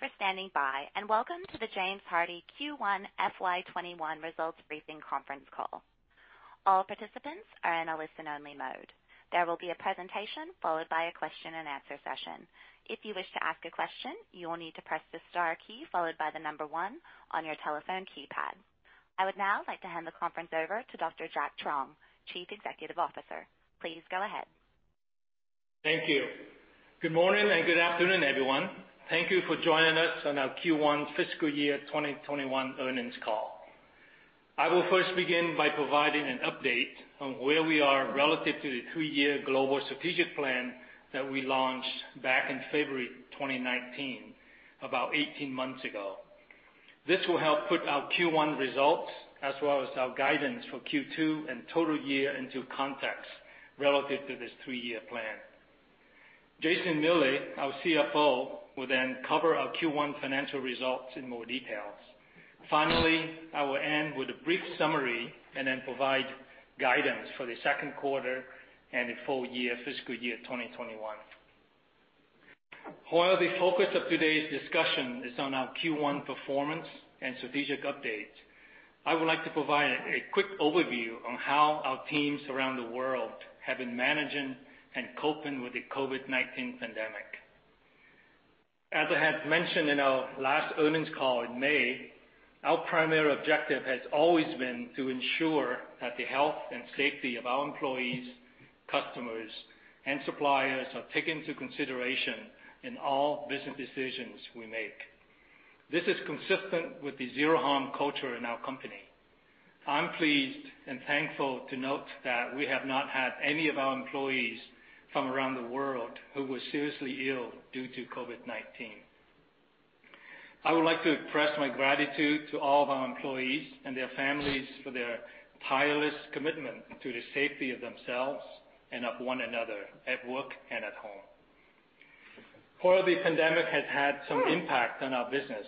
Thank you for standing by, and welcome to the James Hardie Q1 FY 2021 results briefing conference call. All participants are in a listen-only mode. There will be a presentation, followed by a question-and-answer session. If you wish to ask a question, you will need to press the star key, followed by the number one on your telephone keypad. I would now like to hand the conference over to Dr. Jack Truong, Chief Executive Officer. Please go ahead. Thank you. Good morning, and good afternoon, everyone. Thank you for joining us on our Q1 fiscal year 2021 earnings call. I will first begin by providing an update on where we are relative to the three-year global strategic plan that we launched back in February 2019, about 18 months ago. This will help put our Q1 results, as well as our guidance for Q2 and total year into context relative to this three-year plan. Jason Miele, our CFO, will then cover our Q1 financial results in more details. Finally, I will end with a brief summary and then provide guidance for the second quarter and the full-year, fiscal year 2021. While the focus of today's discussion is on our Q1 performance and strategic updates, I would like to provide a quick overview on how our teams around the world have been managing and coping with the COVID-19 pandemic. As I had mentioned in our last earnings call in May, our primary objective has always been to ensure that the health and safety of our employees, customers, and suppliers are taken into consideration in all business decisions we make. This is consistent with the zero-harm culture in our company. I'm pleased and thankful to note that we have not had any of our employees from around the world who were seriously ill due to COVID-19. I would like to express my gratitude to all of our employees and their families for their tireless commitment to the safety of themselves and of one another, at work and at home. While the pandemic has had some impact on our business,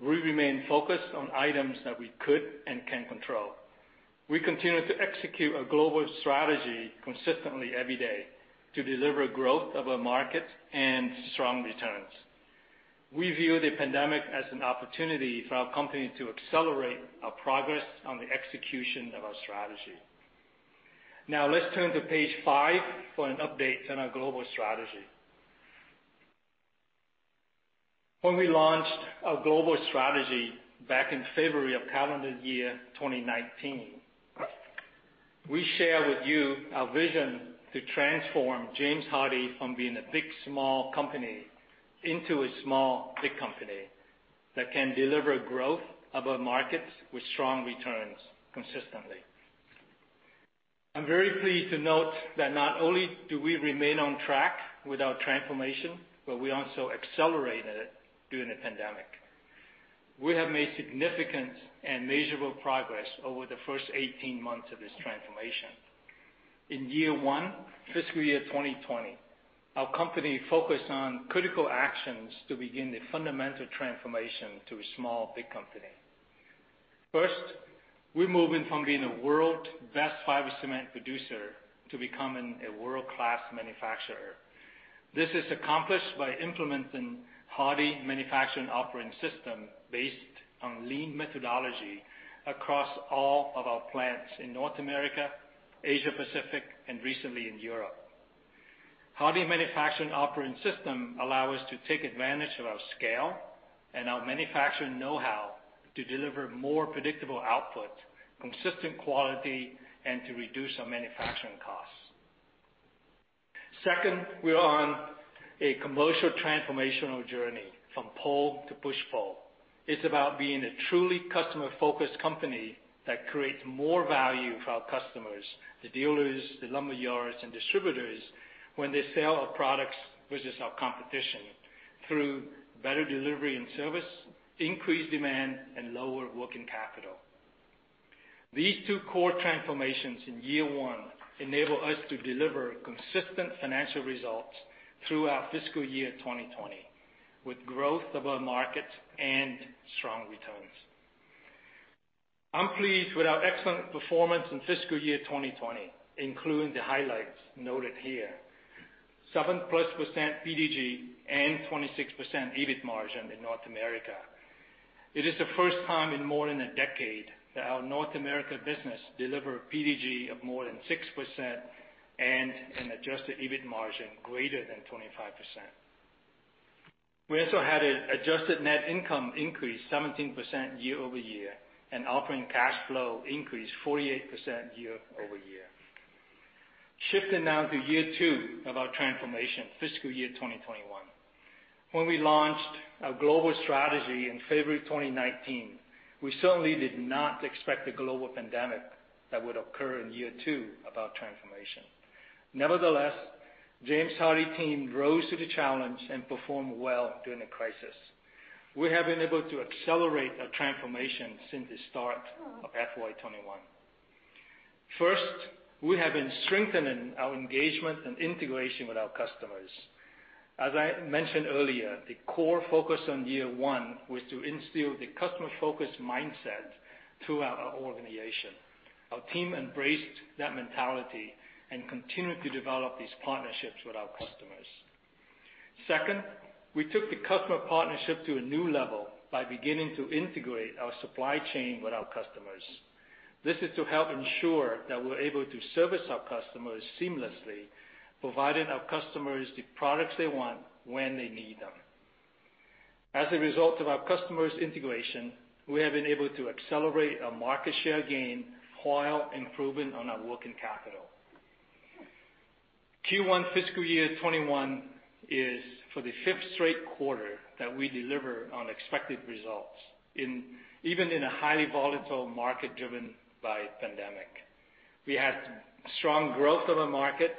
we remain focused on items that we could and can control. We continue to execute a global strategy consistently every day to deliver growth of our market and strong returns. We view the pandemic as an opportunity for our company to accelerate our progress on the execution of our strategy. Now, let's turn to page five for an update on our global strategy. When we launched our global strategy back in February of calendar year 2019, we shared with you our vision to transform James Hardie from being a big, small company into a small, big company that can deliver growth above markets with strong returns consistently. I'm very pleased to note that not only do we remain on track with our transformation, but we also accelerated it during the pandemic. We have made significant and measurable progress over the first 18 months of this transformation. In year one, fiscal year 2020, our company focused on critical actions to begin the fundamental transformation to a small, big company. First, we're moving from being the world's best fiber cement producer to becoming a world-class manufacturer. This is accomplished by implementing Hardie Manufacturing Operating System, based on lean methodology across all of our plants in North America, Asia Pacific, and recently in Europe. Hardie Manufacturing Operating System allow us to take advantage of our scale and our manufacturing know-how to deliver more predictable output, consistent quality, and to reduce our manufacturing costs. Second, we are on a commercial transformational journey from pull to push-pull. It's about being a truly customer-focused company that creates more value for our customers, the dealers, the lumber yards, and distributors when they sell our products versus our competition, through better delivery and service, increased demand, and lower working capital. These two core transformations in year one enable us to deliver consistent financial results through our fiscal year 2020, with growth above market and strong returns. I'm pleased with our excellent performance in fiscal year 2020, including the highlights noted here. 7% plus PDG and 26% EBIT margin in North America. It is the first time in more than a decade that our North America business delivered PDG of more than 6% and an adjusted EBIT margin greater than 25%. We also had an adjusted net income increase 17% year-over-year, and operating cash flow increased 48% year-over-year. Shifting now to year two of our transformation, fiscal year 2021. When we launched our global strategy in February 2019, we certainly did not expect the global pandemic that would occur in year two of our transformation. Nevertheless, James Hardie team rose to the challenge and performed well during the crisis. We have been able to accelerate our transformation since the start of FY 2021. First, we have been strengthening our engagement and integration with our customers. As I mentioned earlier, the core focus on year one was to instill the customer-focused mindset throughout our organization. Our team embraced that mentality and continued to develop these partnerships with our customers.... Second, we took the customer partnership to a new level by beginning to integrate our supply chain with our customers. This is to help ensure that we're able to service our customers seamlessly, providing our customers the products they want when they need them. As a result of our customers integration, we have been able to accelerate our market share gain while improving on our working capital. Q1 fiscal year 2021 is for the 5th straight quarter that we deliver on expected results even in a highly volatile market driven by pandemic. We had strong growth of the market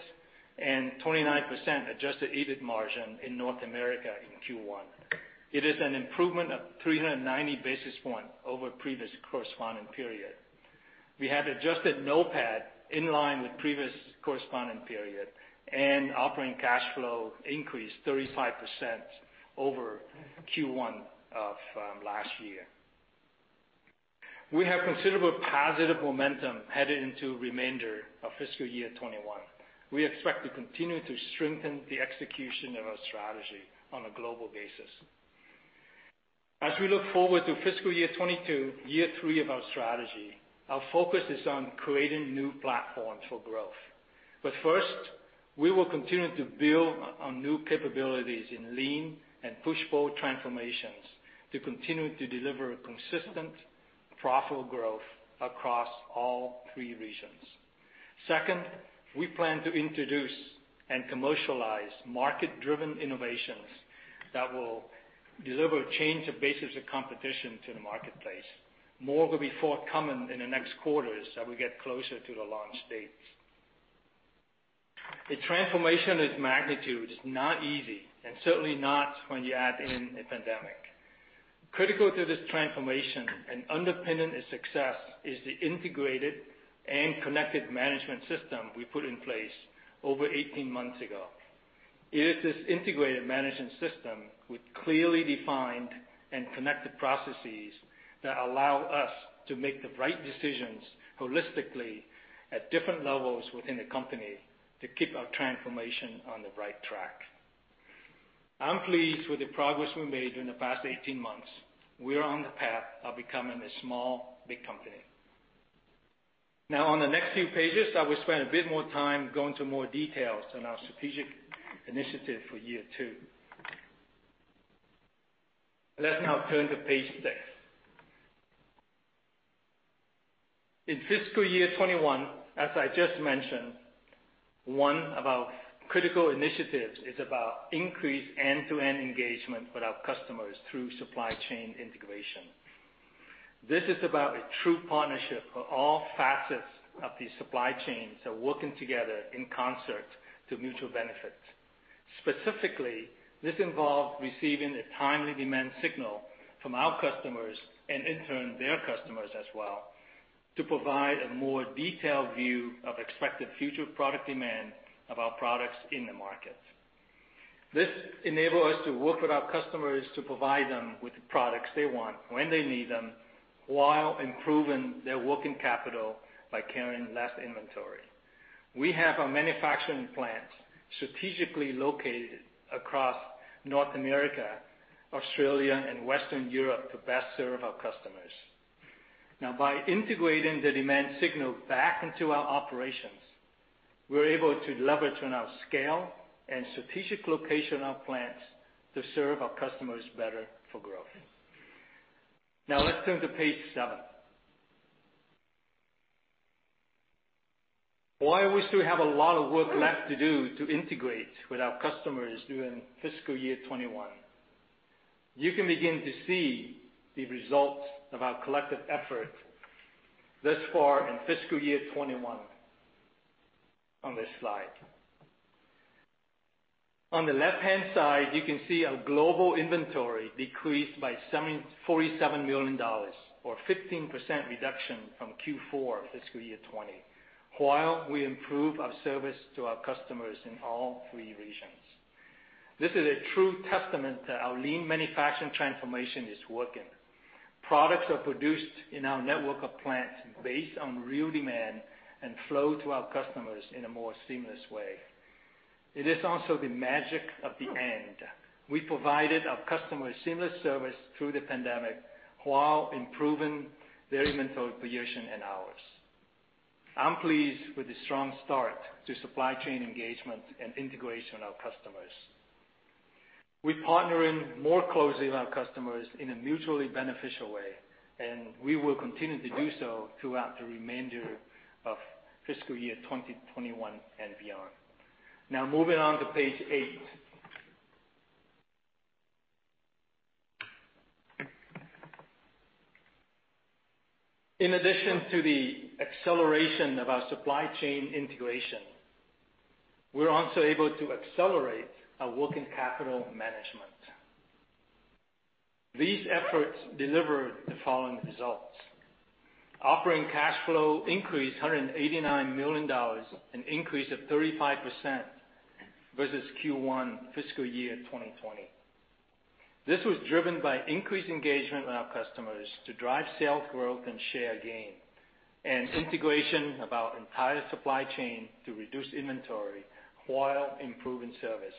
and 29% adjusted EBIT margin in North America in Q1. It is an improvement of 390 basis points over previous corresponding period. We had adjusted NOPAT in line with previous corresponding period, and operating cash flow increased 35% over Q1 of last year. We have considerable positive momentum headed into remainder of fiscal year 2021. We expect to continue to strengthen the execution of our strategy on a global basis. As we look forward to fiscal year 2022, year three of our strategy, our focus is on creating new platforms for growth. But first, we will continue to build on new capabilities in lean and push-pull transformations to continue to deliver a consistent, profitable growth across all three regions. Second, we plan to introduce and commercialize market-driven innovations that will deliver a change of basis of competition to the marketplace. More will be forthcoming in the next quarters as we get closer to the launch dates. A transformation of this magnitude is not easy, and certainly not when you add in a pandemic. Critical to this transformation and underpinning its success is the integrated and connected management system we put in place over 18 months ago. It is this integrated management system with clearly defined and connected processes that allow us to make the right decisions holistically at different levels within the company to keep our transformation on the right track. I'm pleased with the progress we made in the past 18 months. We are on the path of becoming a small, big company. Now, on the next few pages, I will spend a bit more time going into more details on our strategic initiative for year two. Let's now turn to page six. In fiscal year 2021, as I just mentioned, one of our critical initiatives is about increased end-to-end engagement with our customers through supply chain integration. This is about a true partnership where all facets of the supply chain are working together in concert to mutual benefit. Specifically, this involves receiving a timely demand signal from our customers, and in turn, their customers as well, to provide a more detailed view of expected future product demand of our products in the market. This enable us to work with our customers to provide them with the products they want, when they need them, while improving their working capital by carrying less inventory. We have our manufacturing plants strategically located across North America, Australia, and Western Europe to best serve our customers. Now, by integrating the demand signal back into our operations, we're able to leverage on our scale and strategic location of plants to serve our customers better for growth. Now, let's turn to page seven. While we still have a lot of work left to do to integrate with our customers during fiscal year 2021, you can begin to see the results of our collective effort thus far in fiscal year 2021 on this slide. On the left-hand side, you can see our global inventory decreased by $47 million, or 15% reduction from Q4 fiscal year 2020, while we improve our service to our customers in all three regions. This is a true testament that our lean manufacturing transformation is working. Products are produced in our network of plants based on real demand and flow to our customers in a more seamless way. It is also the magic of the end. We provided our customers seamless service through the pandemic while improving their inventory position and ours. I'm pleased with the strong start to supply chain engagement and integration of our customers. We're partnering more closely with our customers in a mutually beneficial way, and we will continue to do so throughout the remainder of fiscal year 2021 and beyond. Now, moving on to page eight. In addition to the acceleration of our supply chain integration, we're also able to accelerate our working capital management. These efforts delivered the following results: Operating cash flow increased $189 million, an increase of 35% versus Q1 fiscal year 2020. This was driven by increased engagement with our customers to drive sales growth and share gain, and integration of our entire supply chain to reduce inventory while improving service.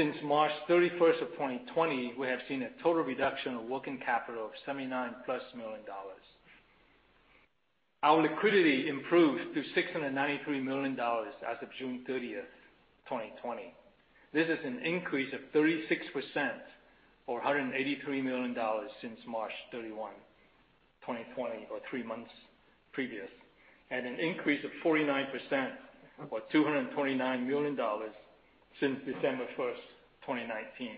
Since March 31st of 2020, we have seen a total reduction of working capital of $79+ million. Our liquidity improved to $693 million as of June 30th, 2020. This is an increase of 36%, or $183 million since March 31, 2020, or three months previous, and an increase of 49%, or $229 million, since December 1, 2019.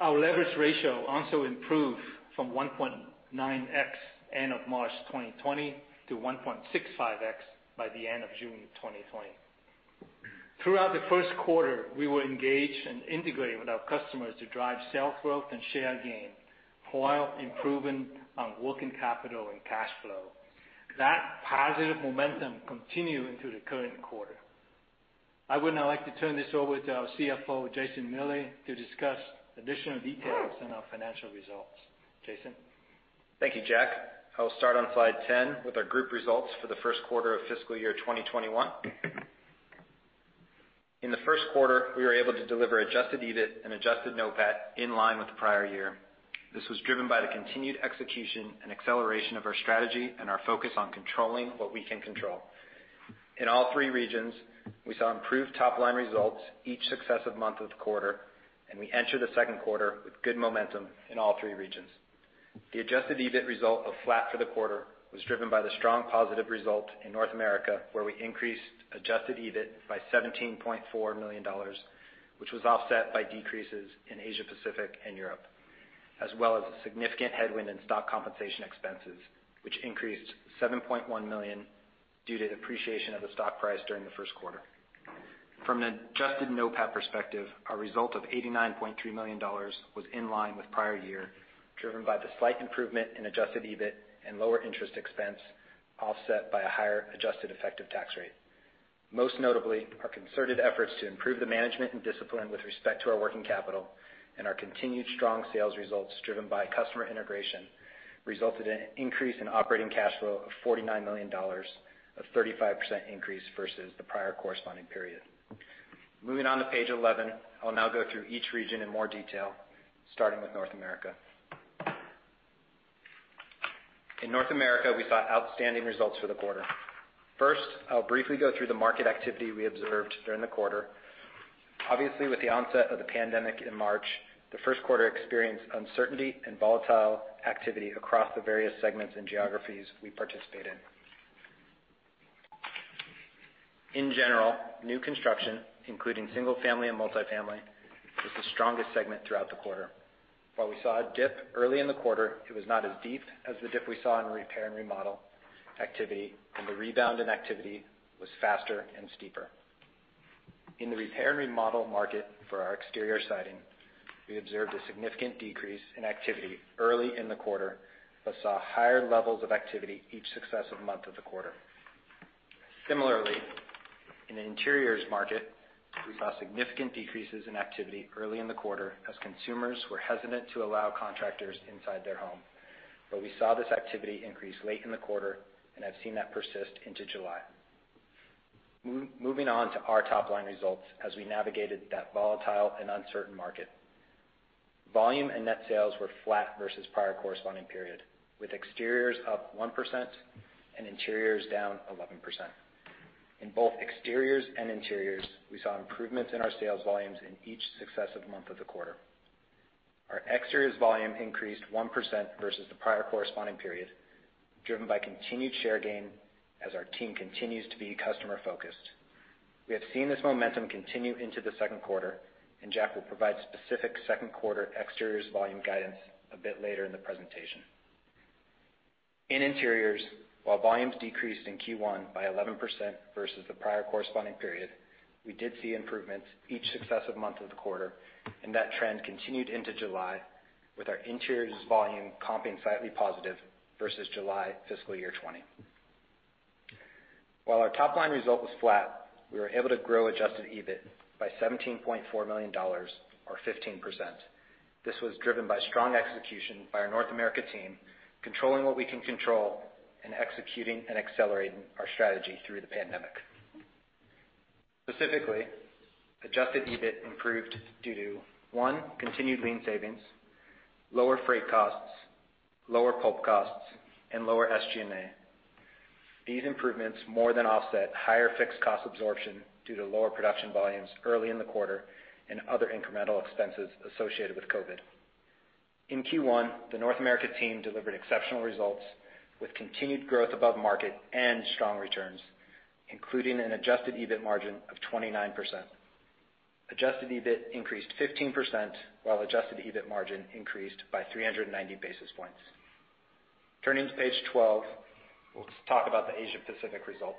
Our leverage ratio also improved from 1.9x, end of March 2020, to 1.65x by the end of June 2020. Throughout the first quarter, we were engaged and integrated with our customers to drive sales growth and share gain, while improving on working capital and cash flow. That positive momentum continued into the current quarter. I would now like to turn this over to our CFO, Jason Miele, to discuss additional details on our financial results. Jason? Thank you, Jack. I will start on slide 10 with our group results for the first quarter of fiscal year 2021. In the first quarter, we were able to deliver adjusted EBIT and adjusted NOPAT in line with the prior year. This was driven by the continued execution and acceleration of our strategy and our focus on controlling what we can control. In all three regions, we saw improved top-line results each successive month of the quarter, and we entered the second quarter with good momentum in all three regions. The adjusted EBIT result of flat for the quarter was driven by the strong positive result in North America, where we increased adjusted EBIT by $17.4 million, which was offset by decreases in Asia Pacific and Europe, as well as a significant headwind in stock compensation expenses, which increased $7.1 million due to the appreciation of the stock price during the first quarter. From an adjusted NOPAT perspective, our result of $89.3 million was in line with prior year, driven by the slight improvement in adjusted EBIT and lower interest expense, offset by a higher adjusted effective tax rate. Most notably, our concerted efforts to improve the management and discipline with respect to our working capital and our continued strong sales results, driven by customer integration, resulted in an increase in operating cash flow of $49 million, a 35% increase versus the prior corresponding period. Moving on to page 11, I'll now go through each region in more detail, starting with North America. In North America, we saw outstanding results for the quarter. First, I'll briefly go through the market activity we observed during the quarter. Obviously, with the onset of the pandemic in March, the first quarter experienced uncertainty and volatile activity across the various segments and geographies we participate in. In general, new construction, including single-family and multifamily, was the strongest segment throughout the quarter. While we saw a dip early in the quarter, it was not as deep as the dip we saw in repair and remodel activity, and the rebound in activity was faster and steeper. In the repair and remodel market for our exterior siding, we observed a significant decrease in activity early in the quarter, but saw higher levels of activity each successive month of the quarter. Similarly, in the interiors market, we saw significant decreases in activity early in the quarter as consumers were hesitant to allow contractors inside their home. But we saw this activity increase late in the quarter and have seen that persist into July. Moving on to our top-line results as we navigated that volatile and uncertain market. Volume and net sales were flat versus prior corresponding period, with exteriors up 1% and interiors down 11%. In both exteriors and interiors, we saw improvements in our sales volumes in each successive month of the quarter. Our exteriors volume increased 1% versus the prior corresponding period, driven by continued share gain as our team continues to be customer-focused. We have seen this momentum continue into the second quarter, and Jack will provide specific second quarter exteriors volume guidance a bit later in the presentation. In interiors, while volumes decreased in Q1 by 11% versus the prior corresponding period, we did see improvements each successive month of the quarter, and that trend continued into July, with our interiors volume comping slightly positive versus July fiscal year 2020. While our top-line result was flat, we were able to grow adjusted EBIT by $17.4 million, or 15%. This was driven by strong execution by our North America team, controlling what we can control and executing and accelerating our strategy through the pandemic. Specifically, adjusted EBIT improved due to, one, continued lean savings, lower freight costs, lower pulp costs, and lower SG&A. These improvements more than offset higher fixed cost absorption due to lower production volumes early in the quarter and other incremental expenses associated with COVID. In Q1, the North America team delivered exceptional results with continued growth above market and strong returns, including an adjusted EBIT margin of 29%. Adjusted EBIT increased 15%, while adjusted EBIT margin increased by 390 basis points. Turning to page 12, we'll talk about the Asia Pacific results.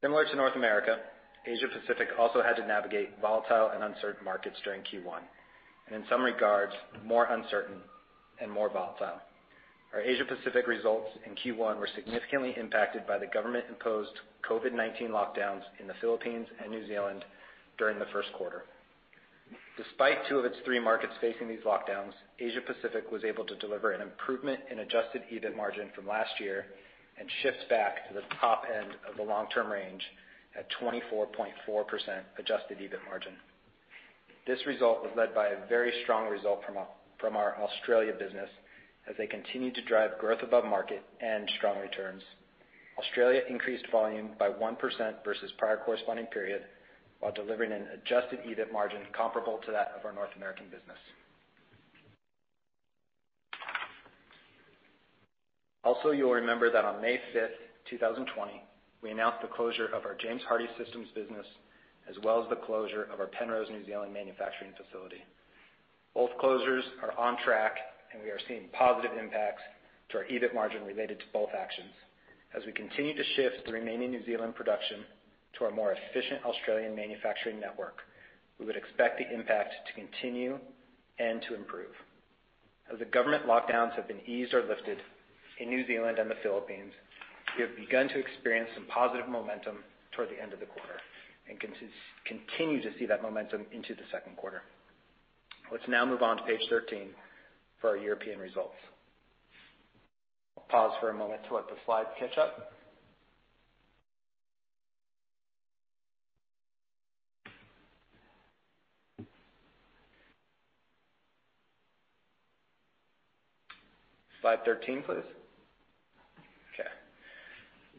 Similar to North America, Asia Pacific also had to navigate volatile and uncertain markets during Q1, and in some regards, more uncertain and more volatile. Our Asia Pacific results in Q1 were significantly impacted by the government-imposed COVID-19 lockdowns in the Philippines and New Zealand during the first quarter. Despite two of its three markets facing these lockdowns, Asia Pacific was able to deliver an improvement in adjusted EBIT margin from last year and shifts back to the top end of the long-term range at 24.4% adjusted EBIT margin. This result was led by a very strong result from our Australia business as they continued to drive growth above market and strong returns. Australia increased volume by 1% versus prior corresponding period, while delivering an adjusted EBIT margin comparable to that of our North American business. Also, you'll remember that on May 5th, 2020, we announced the closure of our James Hardie Systems business, as well as the closure of our Penrose, New Zealand, manufacturing facility. Both closures are on track, and we are seeing positive impacts to our EBIT margin related to both actions. As we continue to shift the remaining New Zealand production to our more efficient Australian manufacturing network, we would expect the impact to continue and to improve. As the government lockdowns have been eased or lifted in New Zealand and the Philippines, we have begun to experience some positive momentum toward the end of the quarter and continue to see that momentum into the second quarter. Let's now move on to page 13 for our European results. I'll pause for a moment to let the slides catch up. Slide 13, please. Okay.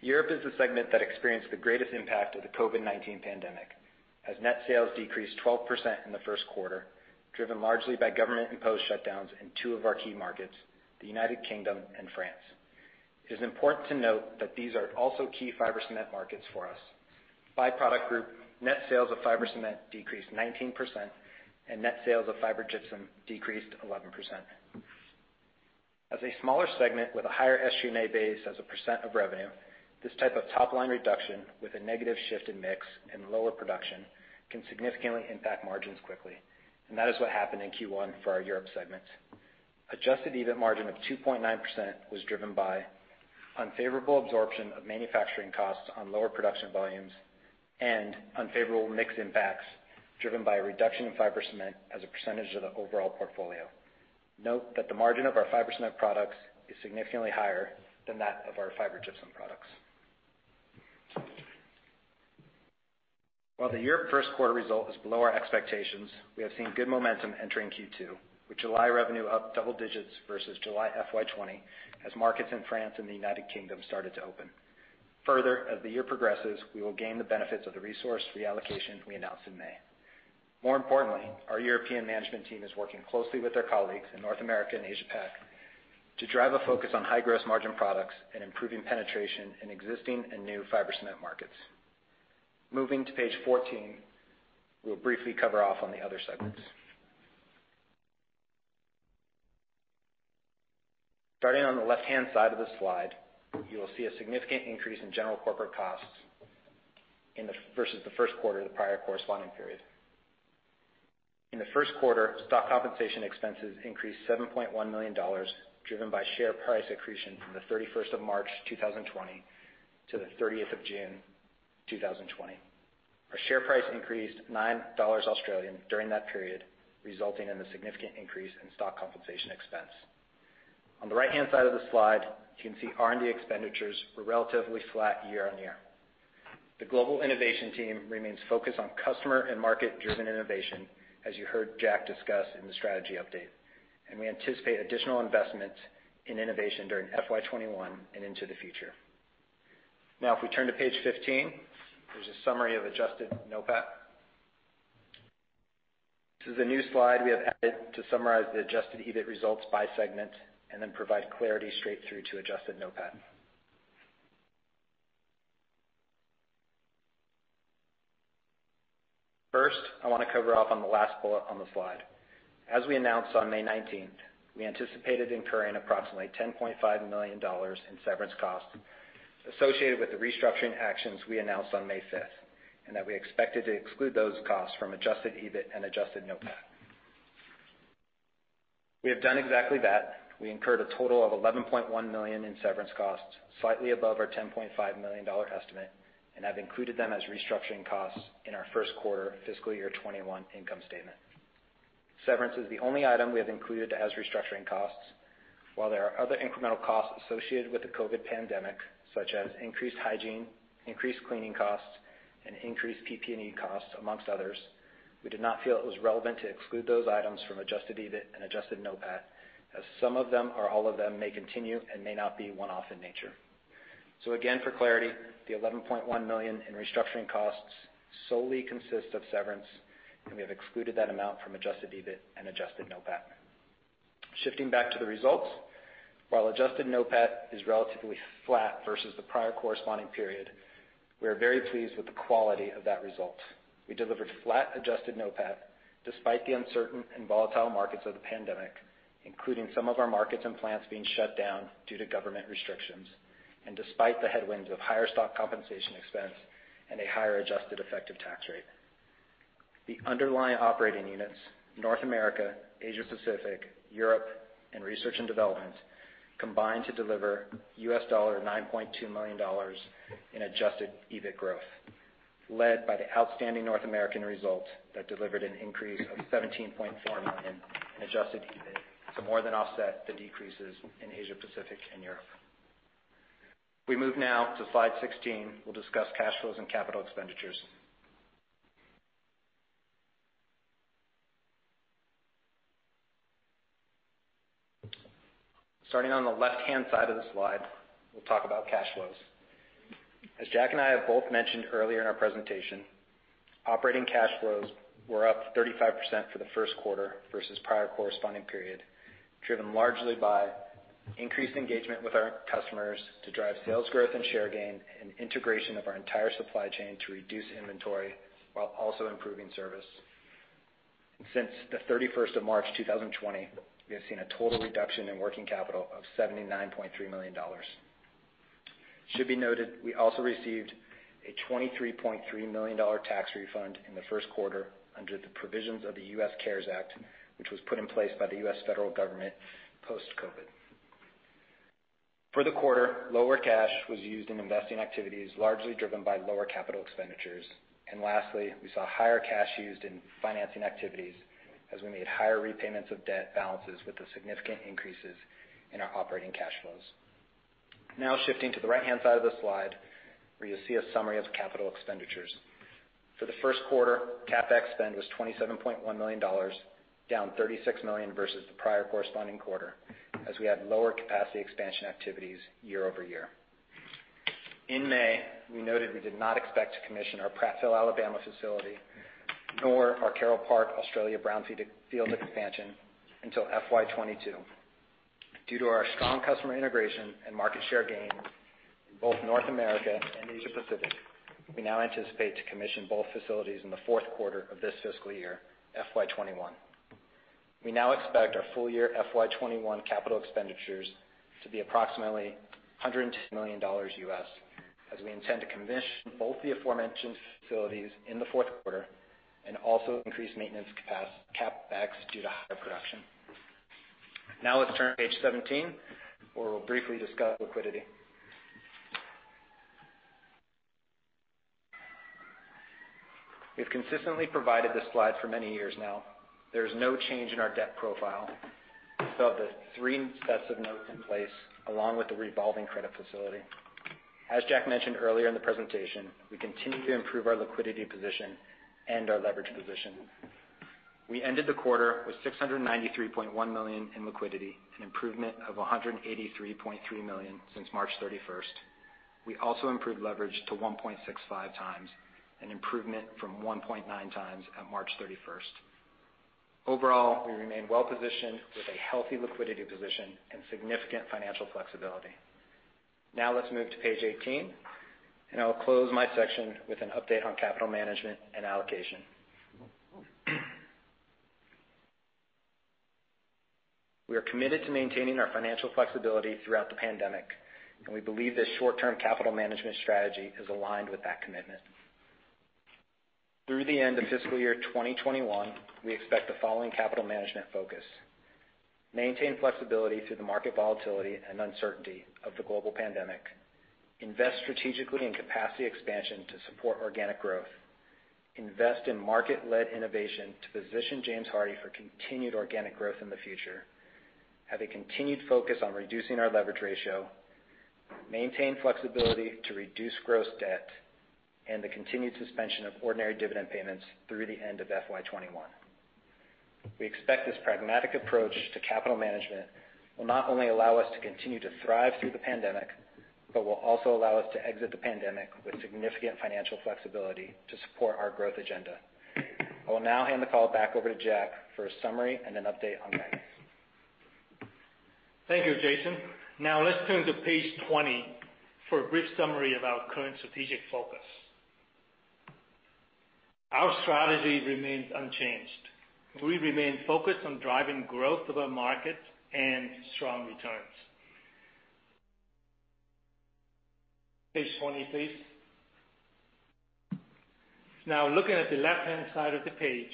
Europe is the segment that experienced the greatest impact of the COVID-19 pandemic, as net sales decreased 12% in the first quarter, driven largely by government-imposed shutdowns in two of our key markets, the United Kingdom and France. It is important to note that these are also key fiber cement markets for us. By product group, net sales of fiber cement decreased 19%, and net sales of fiber gypsum decreased 11%. As a smaller segment with a higher SG&A base as a percent of revenue, this type of top-line reduction with a negative shift in mix and lower production can significantly impact margins quickly, and that is what happened in Q1 for our Europe segment. Adjusted EBIT margin of 2.9% was driven by unfavorable absorption of manufacturing costs on lower production volumes and unfavorable mix impacts, driven by a reduction in fiber cement as a percentage of the overall portfolio. Note that the margin of our fiber cement products is significantly higher than that of our fiber gypsum products. While the Europe first quarter result is below our expectations, we have seen good momentum entering Q2, with July revenue up double digits versus July FY 2020, as markets in France and the United Kingdom started to open. Further, as the year progresses, we will gain the benefits of the resource reallocation we announced in May. More importantly, our European management team is working closely with their colleagues in North America and Asia Pac to drive a focus on high gross margin products and improving penetration in existing and new fiber cement markets. Moving to page 14, we'll briefly cover off on the other segments. Starting on the left-hand side of the slide, you will see a significant increase in general corporate costs in the first quarter versus the first quarter of the prior corresponding period. In the first quarter, stock compensation expenses increased $7.1 million, driven by share price accretion from the 31st of March, two thousand and twenty, to the 30th of June, two thousand and twenty. Our share price increased 9 Australian dollars during that period, resulting in a significant increase in stock compensation expense. On the right-hand side of the slide, you can see R&D expenditures were relatively flat year on year. The global innovation team remains focused on customer and market-driven innovation, as you heard Jack discuss in the strategy update, and we anticipate additional investment in innovation during FY 2021 and into the future. Now, if we turn to page 15, there's a summary of adjusted NOPAT. This is a new slide we have added to summarize the adjusted EBIT results by segment, and then provide clarity straight through to adjusted NOPAT. First, I wanna cover off on the last bullet on the slide. As we announced on May nineteenth, we anticipated incurring approximately $10.5 million in severance costs associated with the restructuring actions we announced on May 5th, and that we expected to exclude those costs from adjusted EBIT and adjusted NOPAT. We have done exactly that. We incurred a total of $11.1 million in severance costs, slightly above our $10.5 million estimate, and have included them as restructuring costs in our first quarter fiscal year 2021 income statement. Severance is the only item we have included as restructuring costs. While there are other incremental costs associated with the COVID pandemic, such as increased hygiene, increased cleaning costs, and increased PPE costs, among others, we did not feel it was relevant to exclude those items from adjusted EBIT and adjusted NOPAT, as some of them or all of them may continue and may not be one-off in nature. So again, for clarity, the $11.1 million in restructuring costs solely consist of severance, and we have excluded that amount from adjusted EBIT and adjusted NOPAT. Shifting back to the results, while adjusted NOPAT is relatively flat versus the prior corresponding period, we are very pleased with the quality of that result. We delivered flat adjusted NOPAT despite the uncertain and volatile markets of the pandemic, including some of our markets and plants being shut down due to government restrictions, and despite the headwinds of higher stock compensation expense and a higher adjusted effective tax rate. The underlying operating units, North America, Asia Pacific, Europe, and research and development, combined to deliver $9.2 million in adjusted EBIT growth, led by the outstanding North American results that delivered an increase of $17.4 million in adjusted EBIT to more than offset the decreases in Asia Pacific and Europe. We move now to slide 16. We'll discuss cash flows and capital expenditures. Starting on the left-hand side of the slide, we'll talk about cash flows. As Jack and I have both mentioned earlier in our presentation, operating cash flows were up 35% for the first quarter versus prior corresponding period, driven largely by increased engagement with our customers to drive sales growth and share gain, and integration of our entire supply chain to reduce inventory while also improving service. Since the 31st of March, two thousand and twenty, we have seen a total reduction in working capital of $79.3 million. It should be noted, we also received a $23.3 million tax refund in the first quarter under the provisions of the U.S. CARES Act, which was put in place by the U.S. federal government post-COVID. For the quarter, lower cash was used in investing activities, largely driven by lower capital expenditures. And lastly, we saw higher cash used in financing activities as we made higher repayments of debt balances with the significant increases in our operating cash flows. Now shifting to the right-hand side of the slide, where you'll see a summary of capital expenditures. For the first quarter, CapEx spend was $27.1 million, down $36 million versus the prior corresponding quarter, as we had lower capacity expansion activities year-over-year. In May, we noted we did not expect to commission our Prattville, Alabama, facility, nor our Carroll Park, Australia, brownfield expansion until FY 2022. Due to our strong customer integration and market share gains in both North America and Asia Pacific, we now anticipate to commission both facilities in the fourth quarter of this fiscal year, FY 2021. We now expect our full-year FY 2021 capital expenditures to be approximately $110 million, as we intend to commission both the aforementioned facilities in the fourth quarter and also increase maintenance CapEx due to higher production. Now, let's turn to page 17, where we'll briefly discuss liquidity. We've consistently provided this slide for many years now. There is no change in our debt profile. We still have the three sets of notes in place, along with the revolving credit facility. As Jack mentioned earlier in the presentation, we continue to improve our liquidity position and our leverage position. We ended the quarter with $693.1 million in liquidity, an improvement of $183.3 million since March 31. We also improved leverage to 1.65x, an improvement from 1.9x at March 31st. Overall, we remain well-positioned with a healthy liquidity position and significant financial flexibility. Now, let's move to page 18, and I'll close my section with an update on capital management and allocation. We are committed to maintaining our financial flexibility throughout the pandemic, and we believe this short-term capital management strategy is aligned with that commitment. Through the end of fiscal year 2021, we expect the following capital management focus: maintain flexibility through the market volatility and uncertainty of the global pandemic, invest strategically in capacity expansion to support organic growth, invest in market-led innovation to position James Hardie for continued organic growth in the future, have a continued focus on reducing our leverage ratio, maintain flexibility to reduce gross debt, and the continued suspension of ordinary dividend payments through the end of FY 2021. We expect this pragmatic approach to capital management will not only allow us to continue to thrive through the pandemic, but will also allow us to exit the pandemic with significant financial flexibility to support our growth agenda. I will now hand the call back over to Jack for a summary and an update on guidance. Thank you, Jason. Now, let's turn to page 20 for a brief summary of our current strategic focus. Our strategy remains unchanged. We remain focused on driving growth of our markets and strong returns. Page 20, please. Now, looking at the left-hand side of the page,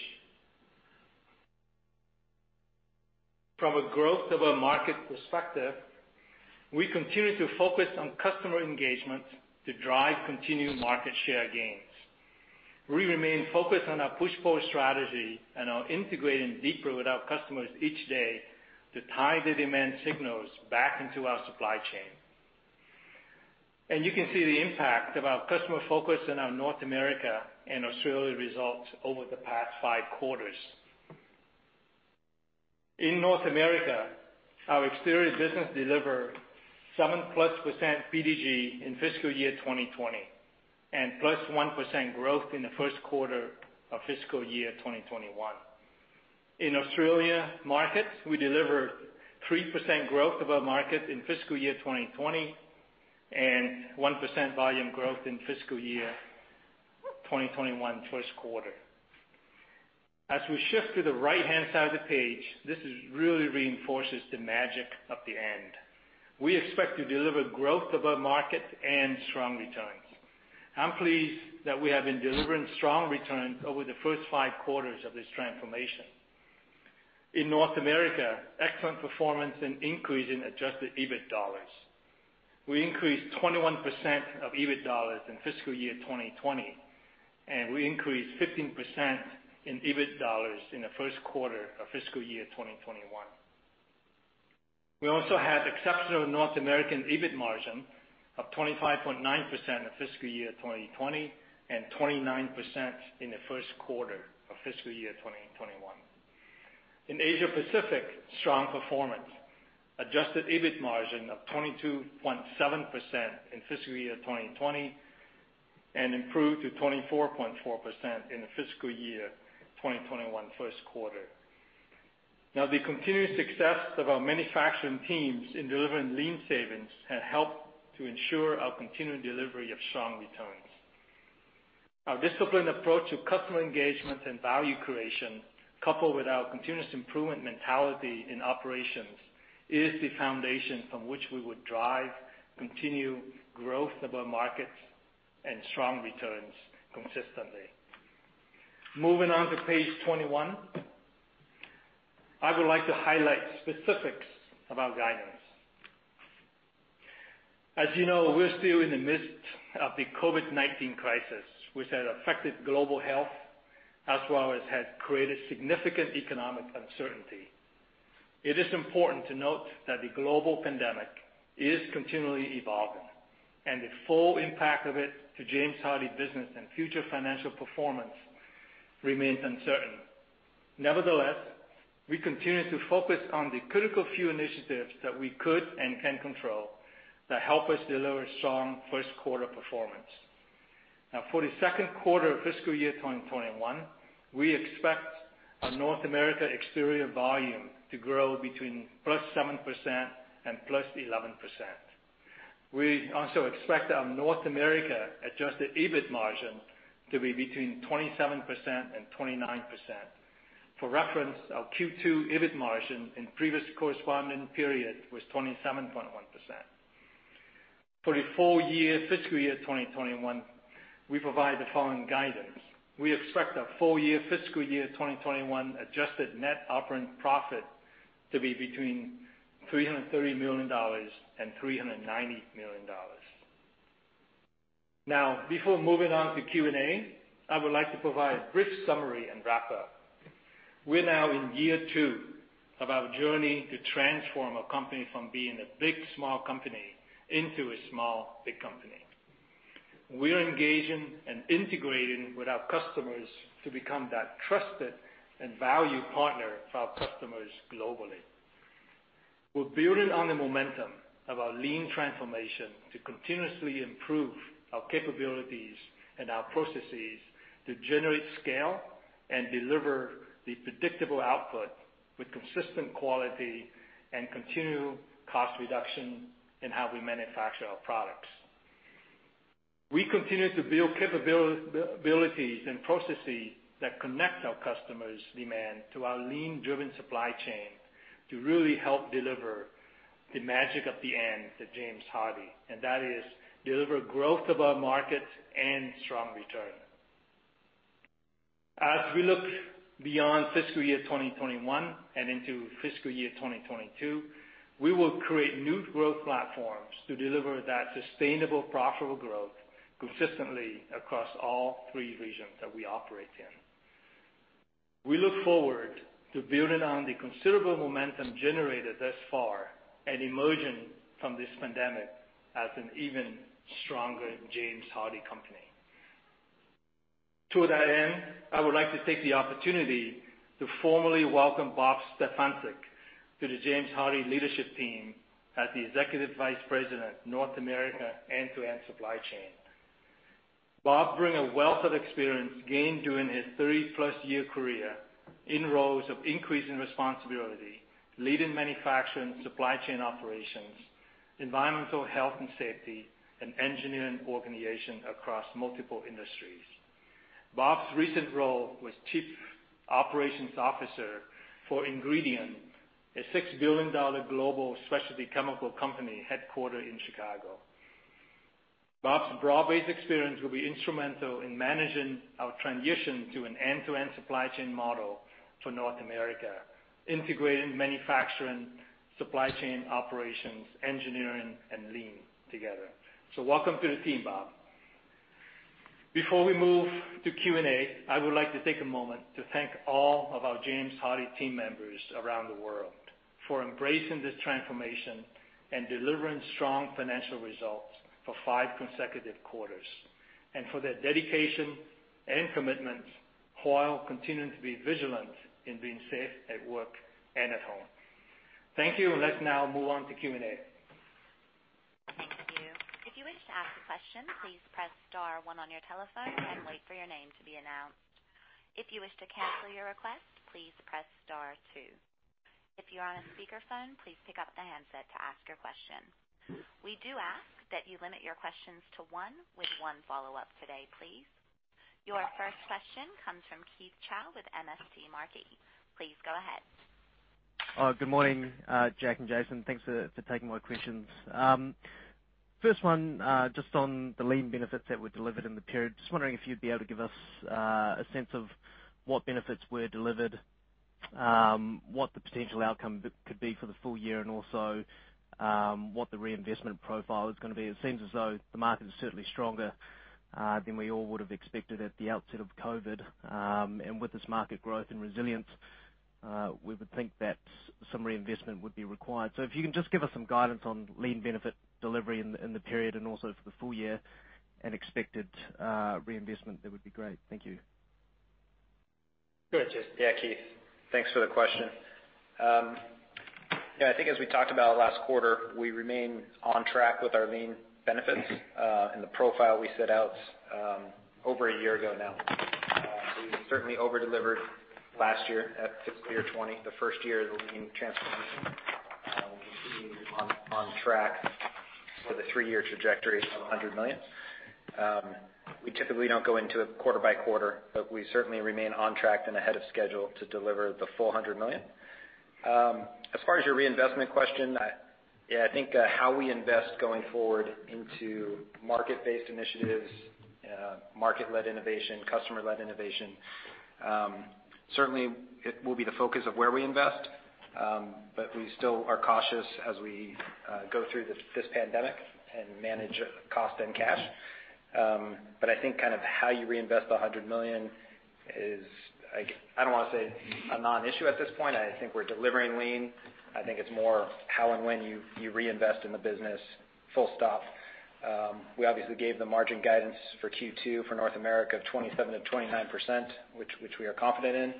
from a growth of our market perspective, we continue to focus on customer engagement to drive continued market share gains. We remain focused on our push-pull strategy and are integrating deeper with our customers each day to tie the demand signals back into our supply chain. And you can see the impact of our customer focus in our North America and Australia results over the past five quarters. In North America, our exterior business delivered 7+% PDG in fiscal year 2020, and +1% growth in the first quarter of fiscal year 2021. In Australian markets, we delivered 3% growth of our market in fiscal year 2020, and 1% volume growth in fiscal year 2021 first quarter. As we shift to the right-hand side of the page, this really reinforces the magic of the end. We expect to deliver growth above market and strong returns. I'm pleased that we have been delivering strong returns over the first five quarters of this transformation. In North America, excellent performance and increase in adjusted EBIT dollars. We increased 21% of EBIT dollars in fiscal year 2020, and we increased 15% in EBIT dollars in the first quarter of fiscal year 2021. We also had exceptional North American EBIT margin of 25.9% in fiscal year 2020, and 29% in the first quarter of fiscal year 2021. In Asia Pacific, strong performance. Adjusted EBIT margin of 22.7% in fiscal year 2020, and improved to 24.4% in the fiscal year 2021 first quarter. Now, the continued success of our manufacturing teams in delivering lean savings has helped to ensure our continued delivery of strong returns. Our disciplined approach to customer engagement and value creation, coupled with our continuous improvement mentality in operations, is the foundation from which we would drive continued growth above markets and strong returns consistently. Moving on to page 21, I would like to highlight specifics of our guidance. As you know, we're still in the midst of the COVID-19 crisis, which has affected global health, as well as has created significant economic uncertainty. It is important to note that the global pandemic is continually evolving, and the full impact of it to James Hardie business and future financial performance remains uncertain. Nevertheless, we continue to focus on the critical few initiatives that we could and can control, that help us deliver strong first quarter performance. Now, for the second quarter of fiscal year 2021, we expect our North America exterior volume to grow between +7% and +11%. We also expect our North America adjusted EBIT margin to be between 27% and 29%. For reference, our Q2 EBIT margin in previous corresponding period was 27.1%. For the full-year fiscal year 2021, we provide the following guidance. We expect our full-year, fiscal year 2021 adjusted net operating profit to be between $330 million and $390 million. Now, before moving on to Q&A, I would like to provide a brief summary and wrap up. We're now in year two of our journey to transform our company from being a big, small company into a small, big company. We are engaging and integrating with our customers to become that trusted and valued partner for our customers globally. We're building on the momentum of our lean transformation to continuously improve our capabilities and our processes to generate scale and deliver the predictable output with consistent quality and continued cost reduction in how we manufacture our products. We continue to build capabilities and processes that connect our customers' demand to our lean-driven supply chain to really help deliver the magic at the end to James Hardie, and that is deliver growth above market and strong return. As we look beyond fiscal year 2021 and into fiscal year 2022, we will create new growth platforms to deliver that sustainable, profitable growth consistently across all three regions that we operate in. We look forward to building on the considerable momentum generated thus far and emerging from this pandemic as an even stronger James Hardie company. To that end, I would like to take the opportunity to formally welcome Bob Stefansic to the James Hardie leadership team as the Executive Vice President, North America End-to-End Supply Chain. Bob brings a wealth of experience gained during his 30+ year career in roles of increasing responsibility, leading manufacturing, supply chain operations, environmental, health and safety, and engineering organization across multiple industries. Bob's recent role was Chief Operations Officer for Ingredion, a $6 billion global specialty chemical company, headquartered in Chicago. Bob's broad-based experience will be instrumental in managing our transition to an end-to-end supply chain model for North America, integrating manufacturing, supply chain operations, engineering, and lean together. So welcome to the team, Bob. Before we move to Q&A, I would like to take a moment to thank all of our James Hardie team members around the world for embracing this transformation and delivering strong financial results for five consecutive quarters, and for their dedication and commitment while continuing to be vigilant in being safe at work and at home. Thank you. Let's now move on to Q&A. Thank you. If you wish to ask a question, please press star one on your telephone and wait for your name to be announced. If you wish to cancel your request, too, if you're on a speakerphone, please pick up the handset to ask your question. We do ask that you limit your questions to one with one follow-up today, please. Your first question comes from Keith Chau with MST Marquee. Please go ahead. Good morning, Jack and Jason. Thanks for taking my questions. First one, just on the lean benefits that were delivered in the period. Just wondering if you'd be able to give us a sense of what benefits were delivered, what the potential outcome could be for the full-year, and also, what the reinvestment profile is gonna be. It seems as though the market is certainly stronger than we all would have expected at the outset of COVID. With this market growth and resilience, we would think that some reinvestment would be required. So if you can just give us some guidance on lean benefit delivery in the period and also for the full-year and expected reinvestment, that would be great. Thank you. Go ahead, Jason. Yeah, Keith, thanks for the question. You know, I think as we talked about last quarter, we remain on track with our lean benefits and the profile we set out over a year ago now. We certainly over-delivered last year at fiscal year 2020, the first year of the lean transformation. We're continuing on track for the three-year trajectory of $100 million. We typically don't go into it quarter by quarter, but we certainly remain on track and ahead of schedule to deliver the full $100 million. As far as your reinvestment question, yeah, I think how we invest going forward into market-based initiatives, market-led innovation, customer-led innovation, certainly it will be the focus of where we invest, but we still are cautious as we go through this pandemic and manage cost and cash. But I think kind of how you reinvest the $100 million is, I don't wanna say a non-issue at this point. I think we're delivering lean. I think it's more how and when you reinvest in the business, full stop. We obviously gave the margin guidance for Q2, for North America of 27%-29%, which we are confident in.